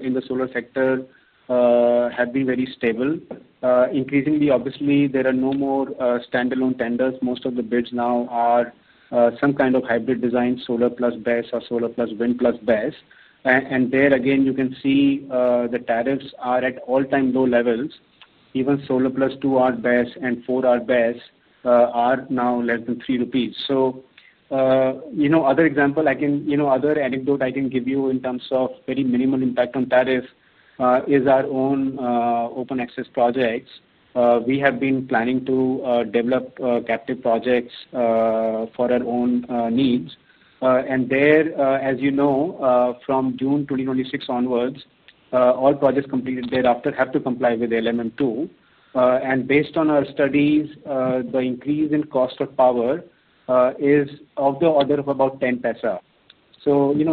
in the solar sector have been very stable. Increasingly, there are no more standalone tenders. Most of the bids now are some kind of hybrid design, solar plus battery energy storage systems or solar plus wind plus battery energy storage systems. There, again, you can see the tariffs are at all-time low levels. Even solar plus 2R battery energy storage systems and 4R battery energy storage systems are now less than 3 rupees. Other anecdote I can give you in terms of very minimal impact on tariffs is our own open-access projects. We have been planning to develop captive projects for our own needs. There, as you know, from June 2026 onwards, all projects completed thereafter have to comply with the ALMM2. Based on our studies, the increase in cost of power is of the order of about 0.10.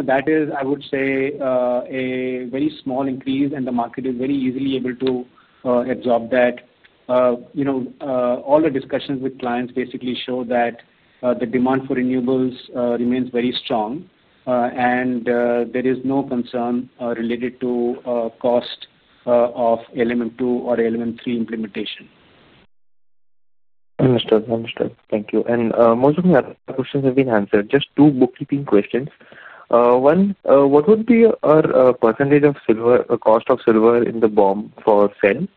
That is, I would say, a very small increase, and the market is very easily able to absorb that. All the discussions with clients basically show that the demand for renewables remains very strong, and there is no concern related to cost of ALMM2 or ALMM3 implementation. Understood. Thank you. Most of the questions have been answered. Just two bookkeeping questions. One, what would be our percentage of cost of silver in the BOM for cell?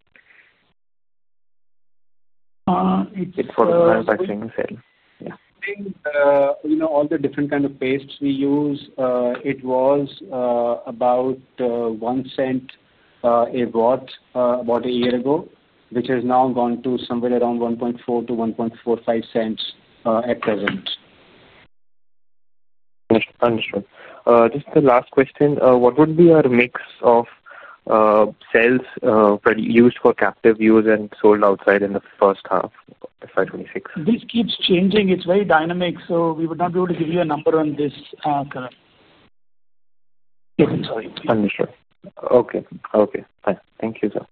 It's for the manufacturing and cell. Yeah. You know, all the different kinds of pastes we use, it was about $0.01 a watt about a year ago, which has now gone to somewhere around $0.014-$0.0145 at present. Understood. Just the last question. What would be our mix of cells used for captive use and sold outside in the first half of FY 2026? This keeps changing. It's very dynamic. We would not be able to give you a number on this, current. Understood. Okay. Okay. Thanks. Thank you, sir.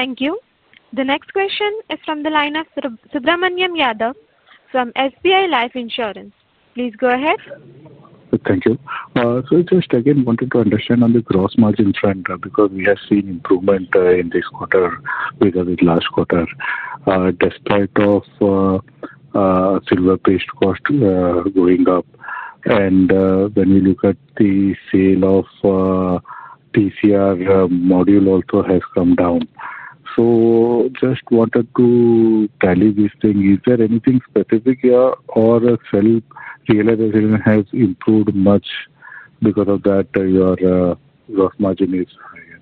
Thank you. The next question is from the line of Subramanyam Yadav from SBI Life Insurance. Please go ahead. Thank you. I just wanted to understand on the gross margin trend because we have seen improvement in this quarter with the last quarter, despite silver paste cost going up. When we look at the sale of module also has come down. I just wanted to tell you this thing. Is there anything specific here or cell realization has improved much because of that, your gross margin is higher?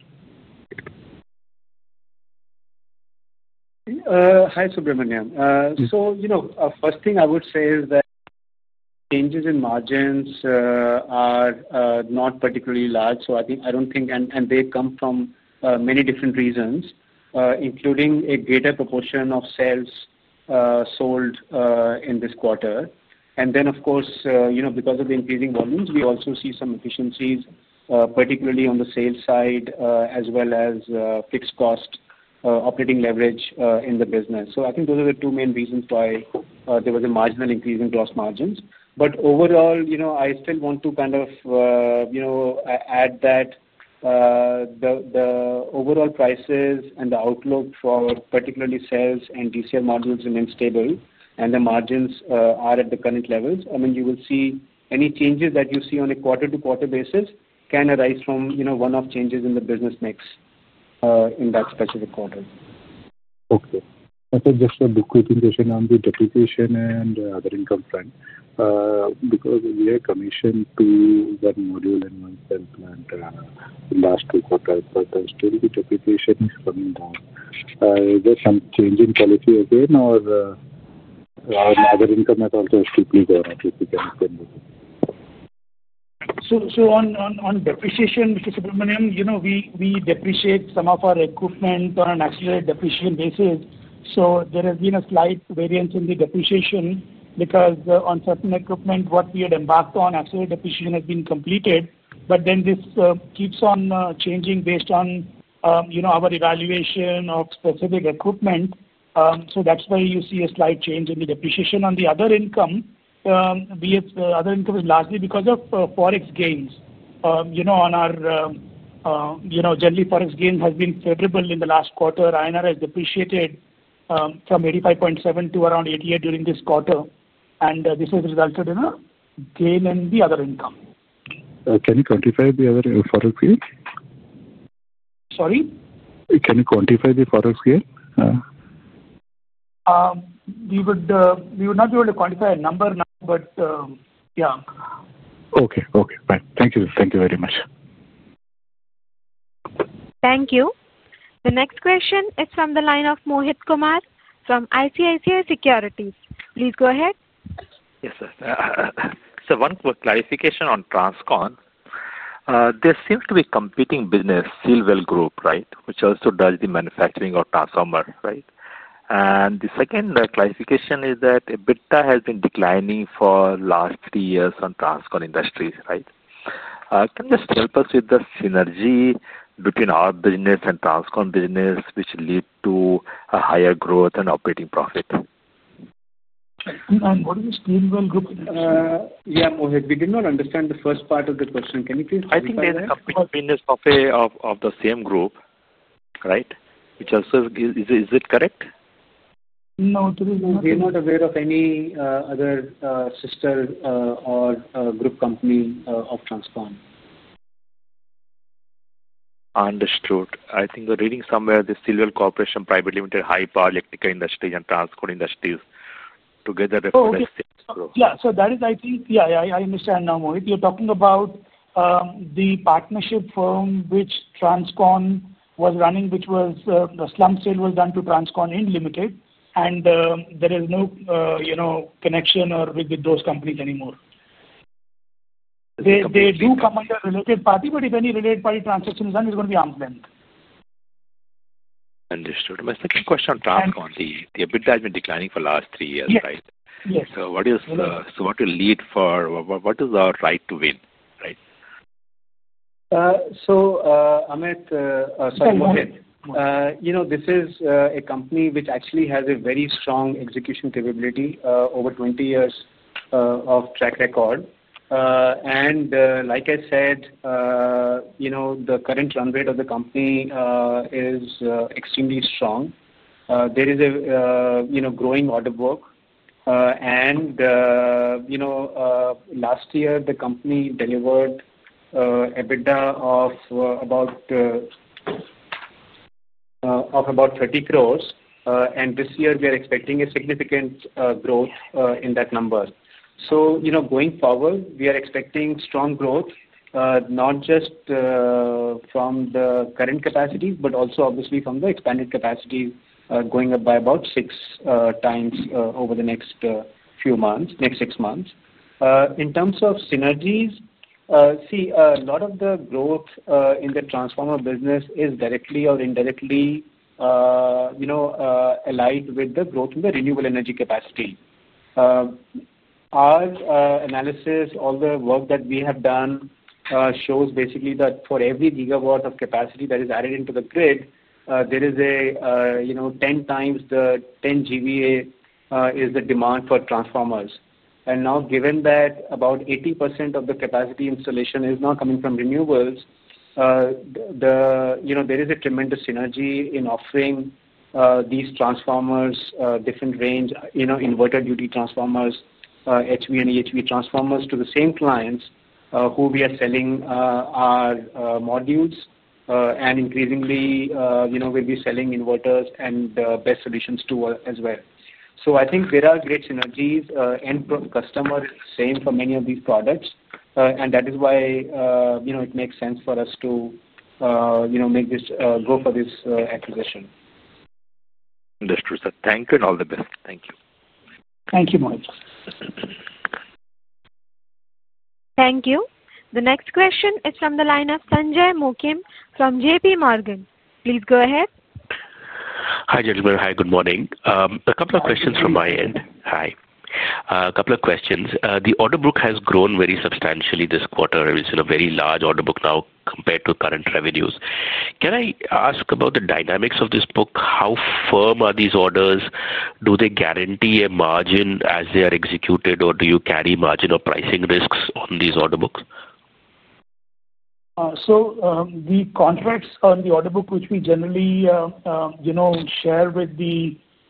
Hi, Subramanyam. First thing I would say is that changes in margins are not particularly large. I don't think, and they come from many different reasons, including a greater proportion of cells sold in this quarter. Of course, because of the increasing volumes, we also see some efficiencies, particularly on the sales side, as well as fixed cost operating leverage in the business. I think those are the two main reasons why there was a marginal increase in gross margins. Overall, I still want to kind of add that the overall prices and the outlook for particularly cells and DCR modules remain stable, and the margins are at the current levels. Any changes that you see on a quarter-to-quarter basis can arise from one-off changes in the business mix in that specific quarter. Okay. That's just a bookkeeping question on the depreciation and the other income trend. Because we commissioned one module and one cell plant in the last two quarters, but still, the depreciation is coming down. Is there some change in policy again, or other income has also strictly gone up if you can explain that? On depreciation, Mr. Subramanyam, we depreciate some of our equipment on an accelerated depreciation basis. There has been a slight variance in the depreciation because on certain equipment, what we had embarked on, accelerated depreciation has been completed. This keeps on changing based on our evaluation of specific equipment. That's why you see a slight change in the depreciation. On the other income, we have other income largely because of forex gains. Generally, forex gains have been favorable in the last quarter. INR has depreciated from 85.7 to around 88 during this quarter. This has resulted in a gain in the other income. Can you quantify the other forex gain? Sorry? Can you quantify the forex gain? We would not be able to quantify a number now, but yeah. Okay. Okay. Fine. Thank you. Thank you very much. Thank you. The next question is from the line of Mohit Kumar from ICICI Securities. Please go ahead. Yes, sir. Sir, one quick clarification on Transcon. There seems to be a competing business, Sealwell Group, right, which also does the manufacturing of transformer, right? The second clarification is that EBITDA has been declining for the last three years on Transcon industry, right? Can you just help us with the synergy between our business and Transcon business, which lead to a higher growth and operating profit? What is Sealwell Group? Yeah, Mohit, we did not understand the first part of the question. Can you please clarify? I think they're the company or business of the same group, right, which also is it correct? No, it is not. They're not aware of any other sister or group company of Transcon. Understood. I think we're reading somewhere the Sealwell Corporation Private Limited, Hyper Electrical Industries, and Transcon together represent. Yeah, I think, yeah, I understand now, Mohit. You're talking about the partnership firm which Transcon was running, which was, the slum sale was done to Transcon Inn Ltd. There is no connection with those companies anymore. They do come under a related party, but if any related party transaction is done, it's going to be arm's length. Understood. My second question on Transcon, the EBITDA has been declining for the last three years, right? Yes. What will lead for what is our right to win, right? Mohit, you know, this is a company which actually has a very strong execution capability, over 20 years of track record. Like I said, you know, the current run rate of the company is extremely strong. There is a growing order book, and, you know, last year, the company delivered EBITDA of about 30 crores. This year, we are expecting significant growth in that number. You know, going forward, we are expecting strong growth not just from the current capacity, but also obviously from the expanded capacity, going up by about six times over the next few months, next six months. In terms of synergies, a lot of the growth in the transformer business is directly or indirectly allied with the growth in the renewable energy capacity. Our analysis, all the work that we have done, shows basically that for every gigawatt of capacity that is added into the grid, there is a 10 GVA demand for transformers. Now, given that about 80% of the capacity installation is now coming from renewables, there is a tremendous synergy in offering these transformers, different range, inverter duty transformers, HV and EHV transformers to the same clients who we are selling our modules. Increasingly, you know, we'll be selling inverters and battery energy storage systems too as well. I think there are great synergies, end customers same for many of these products, and that is why it makes sense for us to make this, go for this acquisition. Understood, sir. Thank you and all the best. Thank you. Thank you, Mohit. Thank you. The next question is from the line of Sanjay Mookim from JP Morgan. Please go ahead. Hi, Jatibai. Good morning. A couple of questions from my end. The order book has grown very substantially this quarter. It's a very large order book now compared to current revenues. Can I ask about the dynamics of this book? How firm are these orders? Do they guarantee a margin as they are executed, or do you carry margin or pricing risks on these order books? The contracts on the order book, which we generally share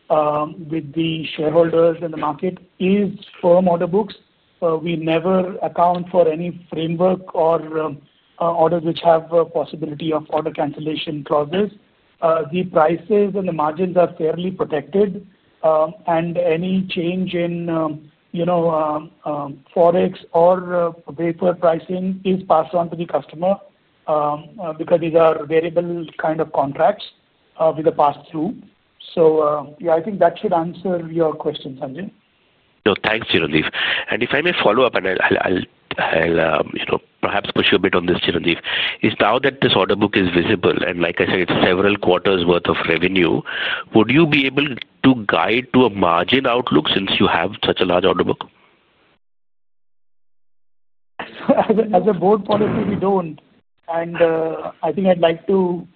with the shareholders in the market, is firm order books. We never account for any framework or orders which have a possibility of order cancellation clauses. The prices and the margins are fairly protected, and any change in forex or wafer pricing is passed on to the customer, because these are variable kind of contracts with a pass-through. I think that should answer your question, Sanjay. No, thanks, Chiranjeev. If I may follow up, perhaps push you a bit on this, Chiranjeev. Now that this order book is visible, like I said, it's several quarters' worth of revenue, would you be able to guide to a margin outlook since you have such a large order book? As a board policy, we don't. I think I'd like to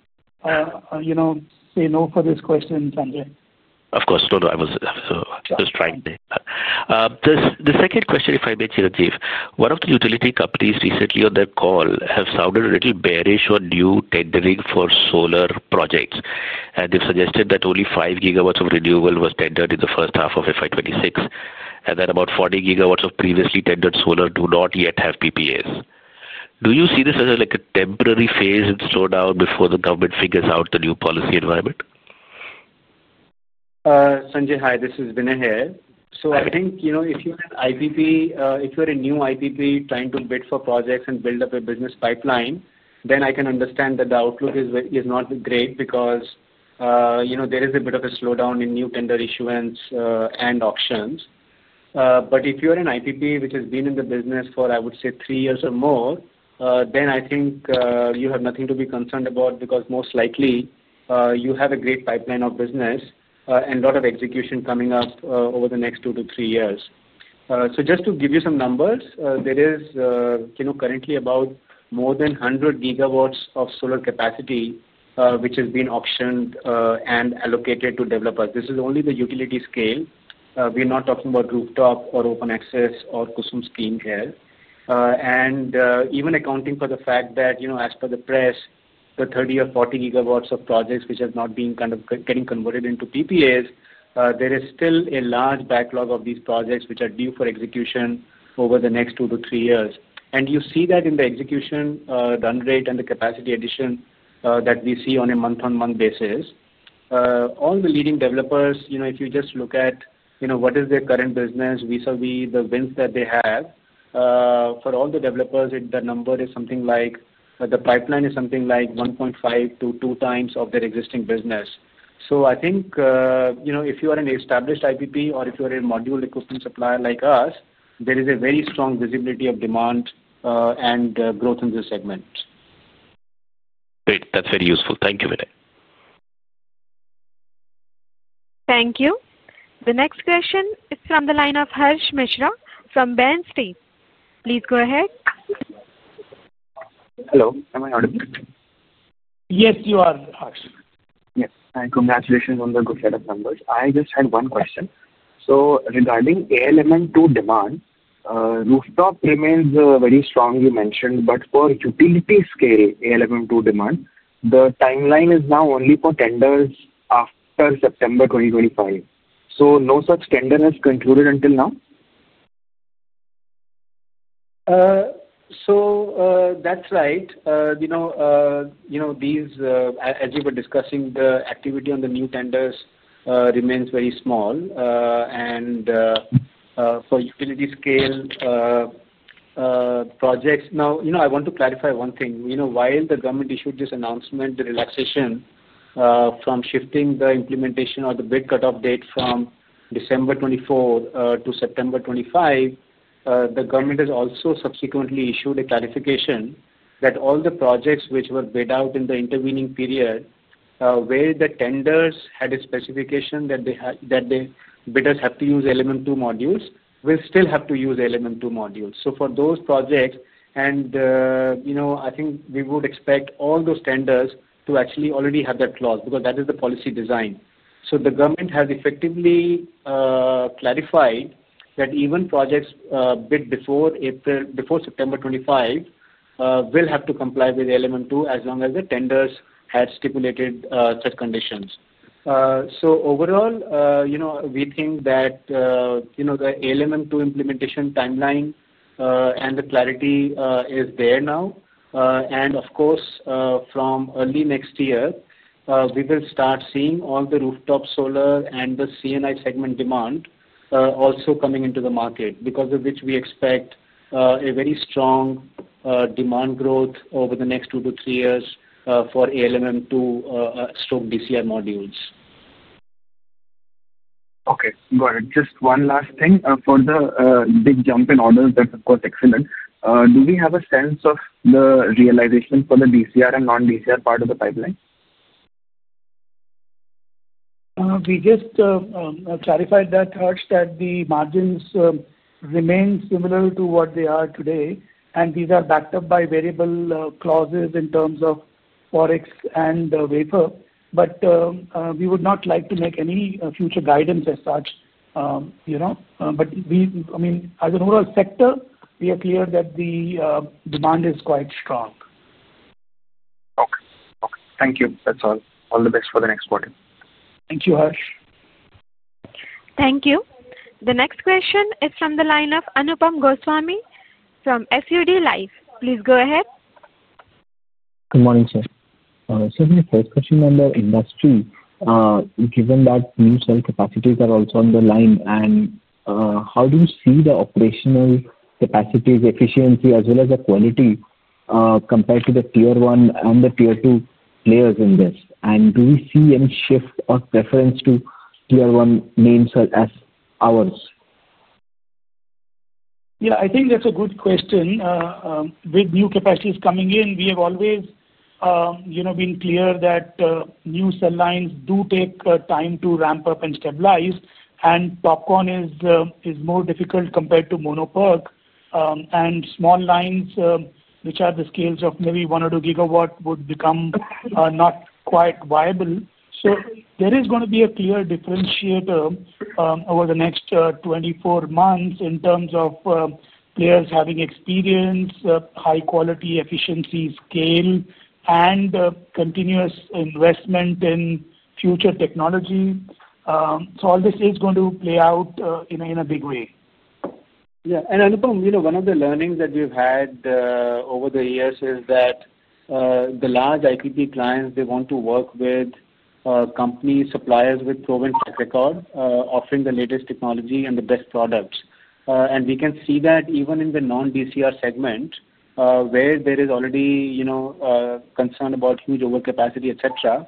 say no for this question, Sanjay. Of course. I was just trying to. The second question, if I may, Chiranjeev, one of the utility companies recently on that call have sounded a little bearish on new tendering for solar projects. They've suggested that only 5 GW of renewable was tendered in the first half of FY 2026, and that about 40 GW of previously tendered solar do not yet have PPAs. Do you see this as a temporary phase and slowdown before the government figures out the new policy environment? Sanjay, hi. This is Vinay here. I think, you know, if you're an independent power producer, if you're a new independent power producer trying to bid for projects and build up a business pipeline, then I can understand that the outlook is not great because there is a bit of a slowdown in new tender issuance and auctions. If you're an independent power producer which has been in the business for, I would say, three years or more, then I think you have nothing to be concerned about because most likely you have a great pipeline of business and a lot of execution coming up over the next two to three years. Just to give you some numbers, there is currently about more than 100 GW of solar capacity which has been auctioned and allocated to developers. This is only the utility scale. We're not talking about rooftop or open access or custom scheme here. Even accounting for the fact that, you know, as per the press, the 30 GW or 40 GW of projects which have not been kind of getting converted into PPAs, there is still a large backlog of these projects which are due for execution over the next two to three years. You see that in the execution run rate and the capacity addition that we see on a month-on-month basis. All the leading developers, you know, if you just look at what is their current business vis-à-vis the wins that they have, for all the developers, the number is something like, the pipeline is something like 1.5x to 2x of their existing business. I think, you know, if you are an established independent power producer or if you're a module equipment supplier like us, there is a very strong visibility of demand and growth in this segment. Great. That's very useful. Thank you, Vinay. Thank you. The next question is from the line of Harsh Mishra from BN State. Please go ahead. Hello. Am I on? Yes, you are, Harsh. Yes. Congratulations on the good set of numbers. I just had one question. Regarding ALMM2 demand, rooftop remains very strong, you mentioned. For utility scale, ALMM2 demand, the timeline is now only for tenders after September 2025. No such tender has concluded until now? That's right. As you were discussing, the activity on the new tenders remains very small, and for utility scale projects now, I want to clarify one thing. While the government issued this announcement, the relaxation from shifting the implementation or the bid cutoff date from December 2024 to September 2025, the government has also subsequently issued a clarification that all the projects which were bid out in the intervening period, where the tenders had a specification that the bidders have to use ALMM modules, will still have to use ALMM modules. For those projects, I think we would expect all those tenders to actually already have that clause because that is the policy design. The government has effectively clarified that even projects bid before September 2025 will have to comply with ALMM2 as long as the tenders had stipulated such conditions. Overall, we think that the ALMM2 implementation timeline and the clarity is there now. Of course, from early next year, we will start seeing all the rooftop solar and the CNI segment demand also coming into the market, because of which we expect very strong demand growth over the next two to three years for ALMM2, stroke DCI modules. Okay, go ahead. Just one last thing. For the big jump in order, that's, of course, excellent. Do we have a sense of the realization for the DCR and non-DCR part of the pipeline? We just clarified that, Harsh, that the margins remain similar to what they are today. These are backed up by variable clauses in terms of forex and wafer. We would not like to make any future guidance as such. You know, but we, as a rural sector, are clear that the demand is quite strong. Okay. Thank you. That's all. All the best for the next quarter. Thank you, Harsh. Thank you. The next question is from the line of Anupam Goswami from SUD Life. Please go ahead. Good morning, sir. Sir, we're focusing on the industry, given that new cell capacities are also on the line. How do you see the operational capacities, efficiency, as well as the quality, compared to the Tier 1 and the Tier 2 players in this? Do we see any shift or preference to tier one main cell as ours? Yeah, I think that's a good question. With new capacities coming in, we have always been clear that new cell lines do take time to ramp up and stabilize. And TOPCon is more difficult compared to mono PERC, and small lines, which are the scales of maybe one or 2 GW, would become not quite viable. There is going to be a clear differentiator over the next 24 months in terms of players having experience, high-quality efficiency scale, and continuous investment in future technology. All this is going to play out in a big way. Yeah. Anupam, one of the learnings that we've had over the years is that the large independent power producer clients want to work with companies, suppliers with proven track record, offering the latest technology and the best products. We can see that even in the non-DCR segment, where there is already concern about huge overcapacity, etc.,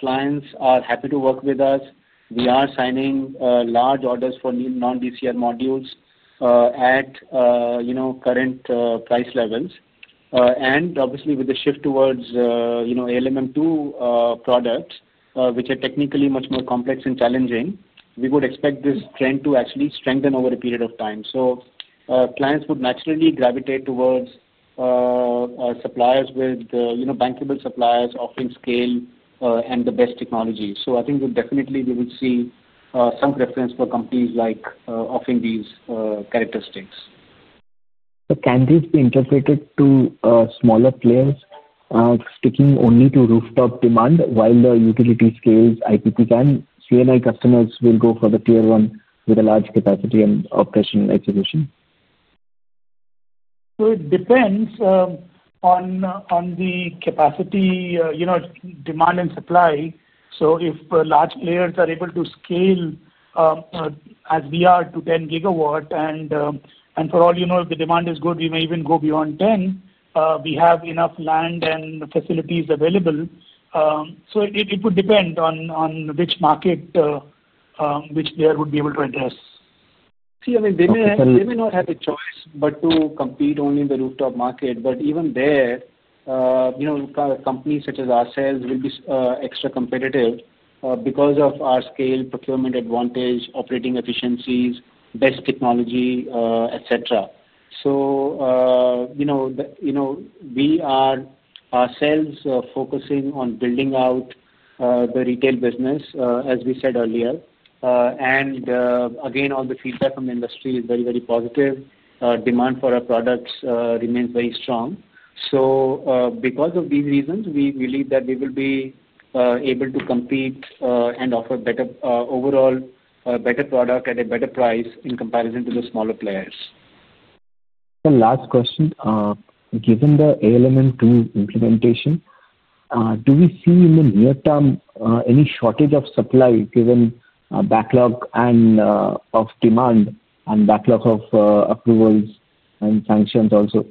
clients are happy to work with us. We are signing large orders for non-DCR modules at current price levels. Obviously, with the shift towards ALMM policy products, which are technically much more complex and challenging, we would expect this trend to actually strengthen over a period of time. Clients would naturally gravitate towards suppliers with bankable suppliers offering scale and the best technology. I think that definitely we would see some preference for companies like us offering these characteristics. Can this be interpreted to smaller players sticking only to rooftop demand while the utility scale independent power producers can say, and our customers will go for the tier one with a large capacity and operational execution? It depends on the capacity, you know, demand and supply. If large players are able to scale, as we are to 10 GW, and for all you know, if the demand is good, we may even go beyond 10. We have enough land and facilities available. It would depend on which market, which player would be able to address. I mean, they may not have a choice but to compete only in the rooftop market. Even there, companies such as ourselves will be extra competitive because of our scale, procurement advantage, operating efficiencies, best technology, etc. We are ourselves focusing on building out the retail business, as we said earlier. All the feedback from the industry is very, very positive. Demand for our products remains very strong. Because of these reasons, we believe that we will be able to compete and offer better, overall, better product at a better price in comparison to the smaller players. The last question, given the ALMM policy implementation, do we see in the near term any shortage of supply given backlog of demand and backlog of approvals and sanctions also?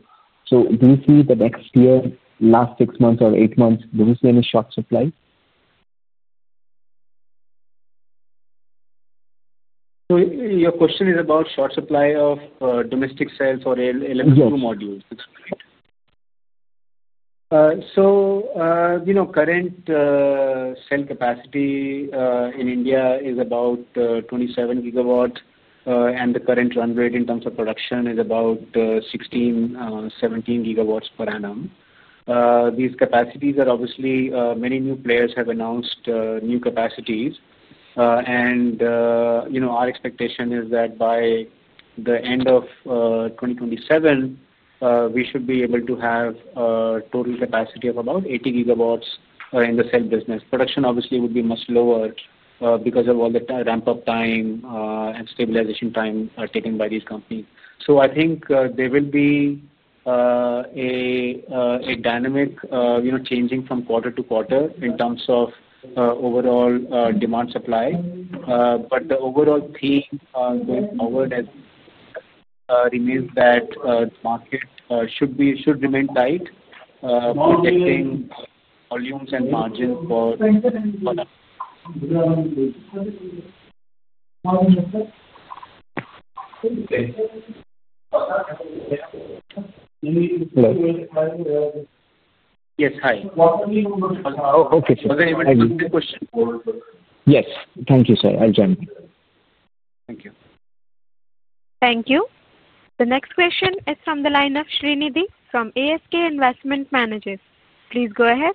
Do we see the next year, last six months or eight months, do we see any short supply? Your question is about short supply of domestic cells or ALMM modules. Yeah. You know, current cell capacity in India is about 27 GW, and the current run rate in terms of production is about 16 GW, 17 GW per annum. These capacities are obviously, many new players have announced new capacities, and our expectation is that by the end of 2027, we should be able to have a total capacity of about 80 GW in the cell business. Production obviously would be much lower because of all the ramp-up time and stabilization time taken by these companies. I think there will be a dynamic, you know, changing from quarter to quarter in terms of overall demand supply, but the overall theme going forward remains that the market should remain tight, projecting volumes and margins for products. Was I able to answer the question? Yes, thank you, sir. I'll join. Thank you. Thank you. The next question is from the line of Srinidhi from ASK Investment Managers. Please go ahead.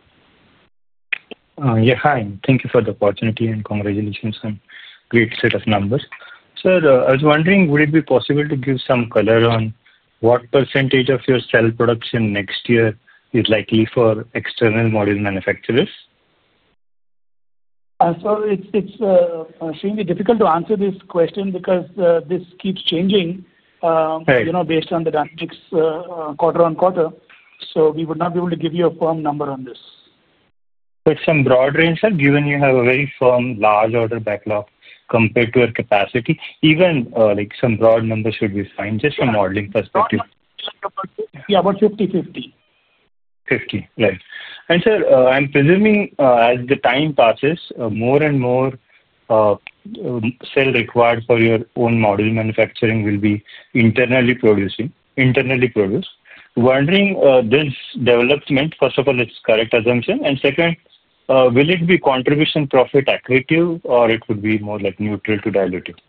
Yeah, hi. Thank you for the opportunity and congratulations on a great set of numbers. Sir, I was wondering, would it be possible to give some color on what percentage of your cell production next year is likely for external module manufacturers? It's extremely difficult to answer this question because this keeps changing, you know, based on the dynamics, quarter on quarter. We would not be able to give you a firm number on this. It's some broad range, sir, given you have a very firm large order backlog compared to your capacity. Even like some broad numbers should be fine just from a modeling perspective. Yeah, about 50/50. Right. Sir, I'm presuming as the time passes, more and more cell required for your own module manufacturing will be internally produced. Wondering, does development, first of all, it's a correct assumption. Second, will it be contribution profit accurate to you, or it would be more like neutral to diluted?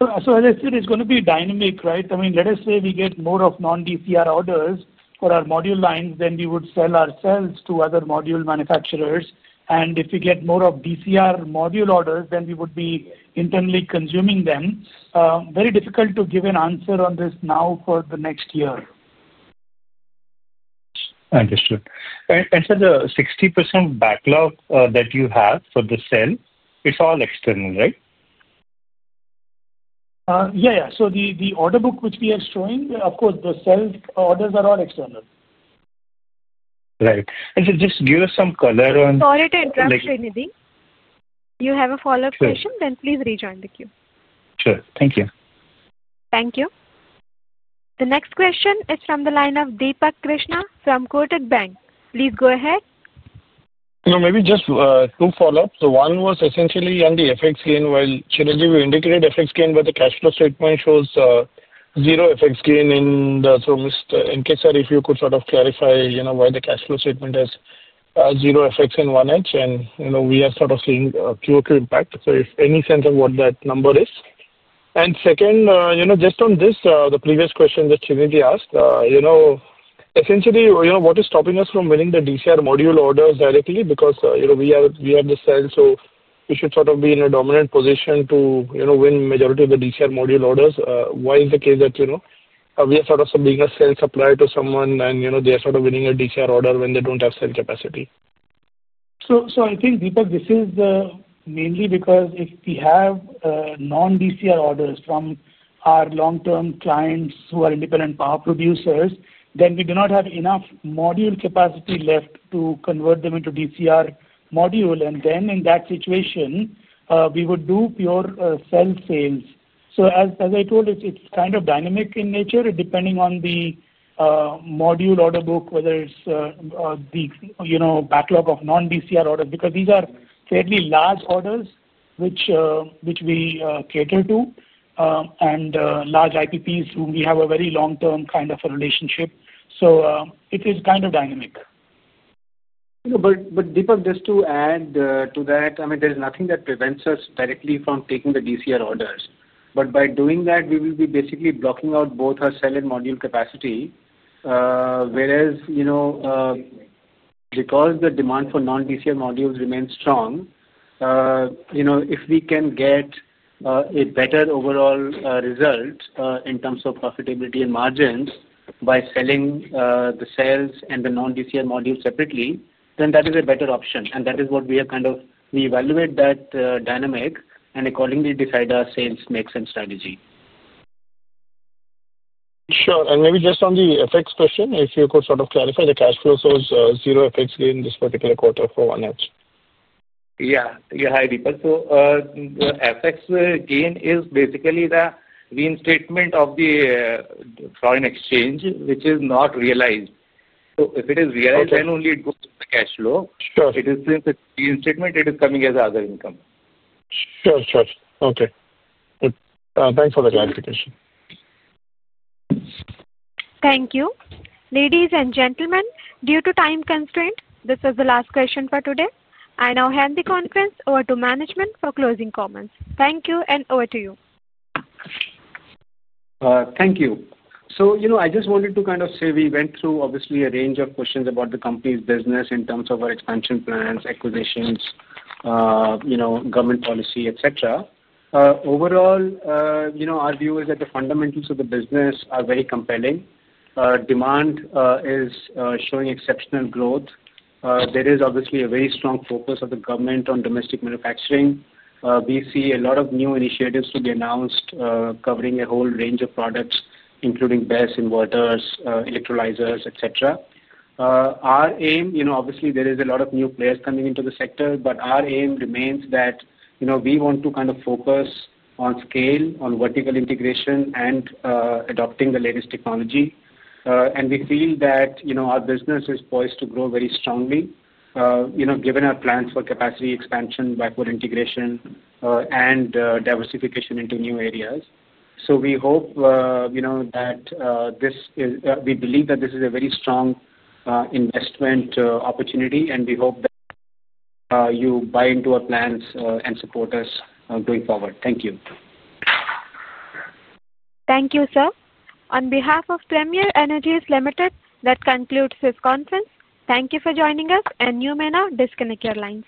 As I said, it's going to be dynamic, right? I mean, let us say we get more of non-DCR orders for our module lines, then we would sell ourselves to other module manufacturers. If we get more of DCR module orders, then we would be internally consuming them. Very difficult to give an answer on this now for the next year. Understood. Sir, the 60% backlog that you have for the cell, it's all external, right? Yeah. The order book which we are showing, of course, the cell orders are all external. Right. Sir, just give us some color on. Sorry to interrupt, Srinidhi. If you have a follow-up question, then please rejoin the queue. Sure, thank you. Thank you. The next question is from the line of Deepak Krishna from Kotak Bank. Please go ahead. Maybe just two follow-ups. One was essentially on the FX gain. Srinidhi, we indicated FX gain, but the cash flow statement shows zero FX gain. Mr. Mukesh, if you could clarify why the cash flow statement has zero FX in one edge and we are seeing a Q2 impact. If any sense of what that number is. Second, just on this, the previous question that Srinidhi asked, essentially, what is stopping us from winning the DCR module orders directly? Because we have the cell, so we should be in a dominant position to win the majority of the DCR module orders. Why is it the case that we are being a sales supplier to someone and they are winning a DCR order when they don't have cell capacity? I think, Deepak, this is mainly because if we have non-DCR orders from our long-term clients who are independent power producers, then we do not have enough module capacity left to convert them into DCR module. In that situation, we would do pure cell sales. As I told, it's kind of dynamic in nature, depending on the module order book, whether it's the backlog of non-DCR orders because these are fairly large orders which we cater to, and large IPPs whom we have a very long-term kind of a relationship. It is kind of dynamic. You know. Just to add to that, I mean, there's nothing that prevents us directly from taking the DCR orders. By doing that, we will be basically blocking out both our cell and module capacity. Whereas, you know, because the demand for non-DCR modules remains strong, if we can get a better overall result in terms of profitability and margins by selling the cells and the non-DCR modules separately, then that is a better option. That is what we are kind of, we evaluate that dynamic and accordingly decide our sales mix and strategy. Sure. Maybe just on the FX question, if you could sort of clarify, the cash flow shows zero FX gain in this particular quarter for one edge. Yeah, hi, Deepak. The FX gain is basically the reinstatement of the drawn exchange, which is not realized. If it is realized, then only it goes to the cash flow. Since it's the reinstatement, it is coming as another income. Sure, sure. Okay. Thanks for the clarification. Thank you. Ladies and gentlemen, due to time constraints, this is the last question for today. I now hand the conference over to management for closing comments. Thank you and over to you. Thank you. I just wanted to say we went through a range of questions about the company's business in terms of our expansion plans, acquisitions, government policy, etc. Overall, our view is that the fundamentals of the business are very compelling. Demand is showing exceptional growth. There is obviously a very strong focus of the government on domestic manufacturing. We see a lot of new initiatives to be announced, covering a whole range of products, including battery energy storage systems, inverters, electrolyzers, etc. Our aim, obviously, there are a lot of new players coming into the sector, but our aim remains that we want to focus on scale, on vertical integration, and adopting the latest technology. We feel that our business is poised to grow very strongly, given our plan for capacity expansion, backward integration, and diversification into new areas. We believe that this is a very strong investment opportunity, and we hope that you buy into our plans and support us going forward. Thank you. Thank you, sir. On behalf of Premier Energies Limited, that concludes this conference. Thank you for joining us, and you may now disconnect your lines.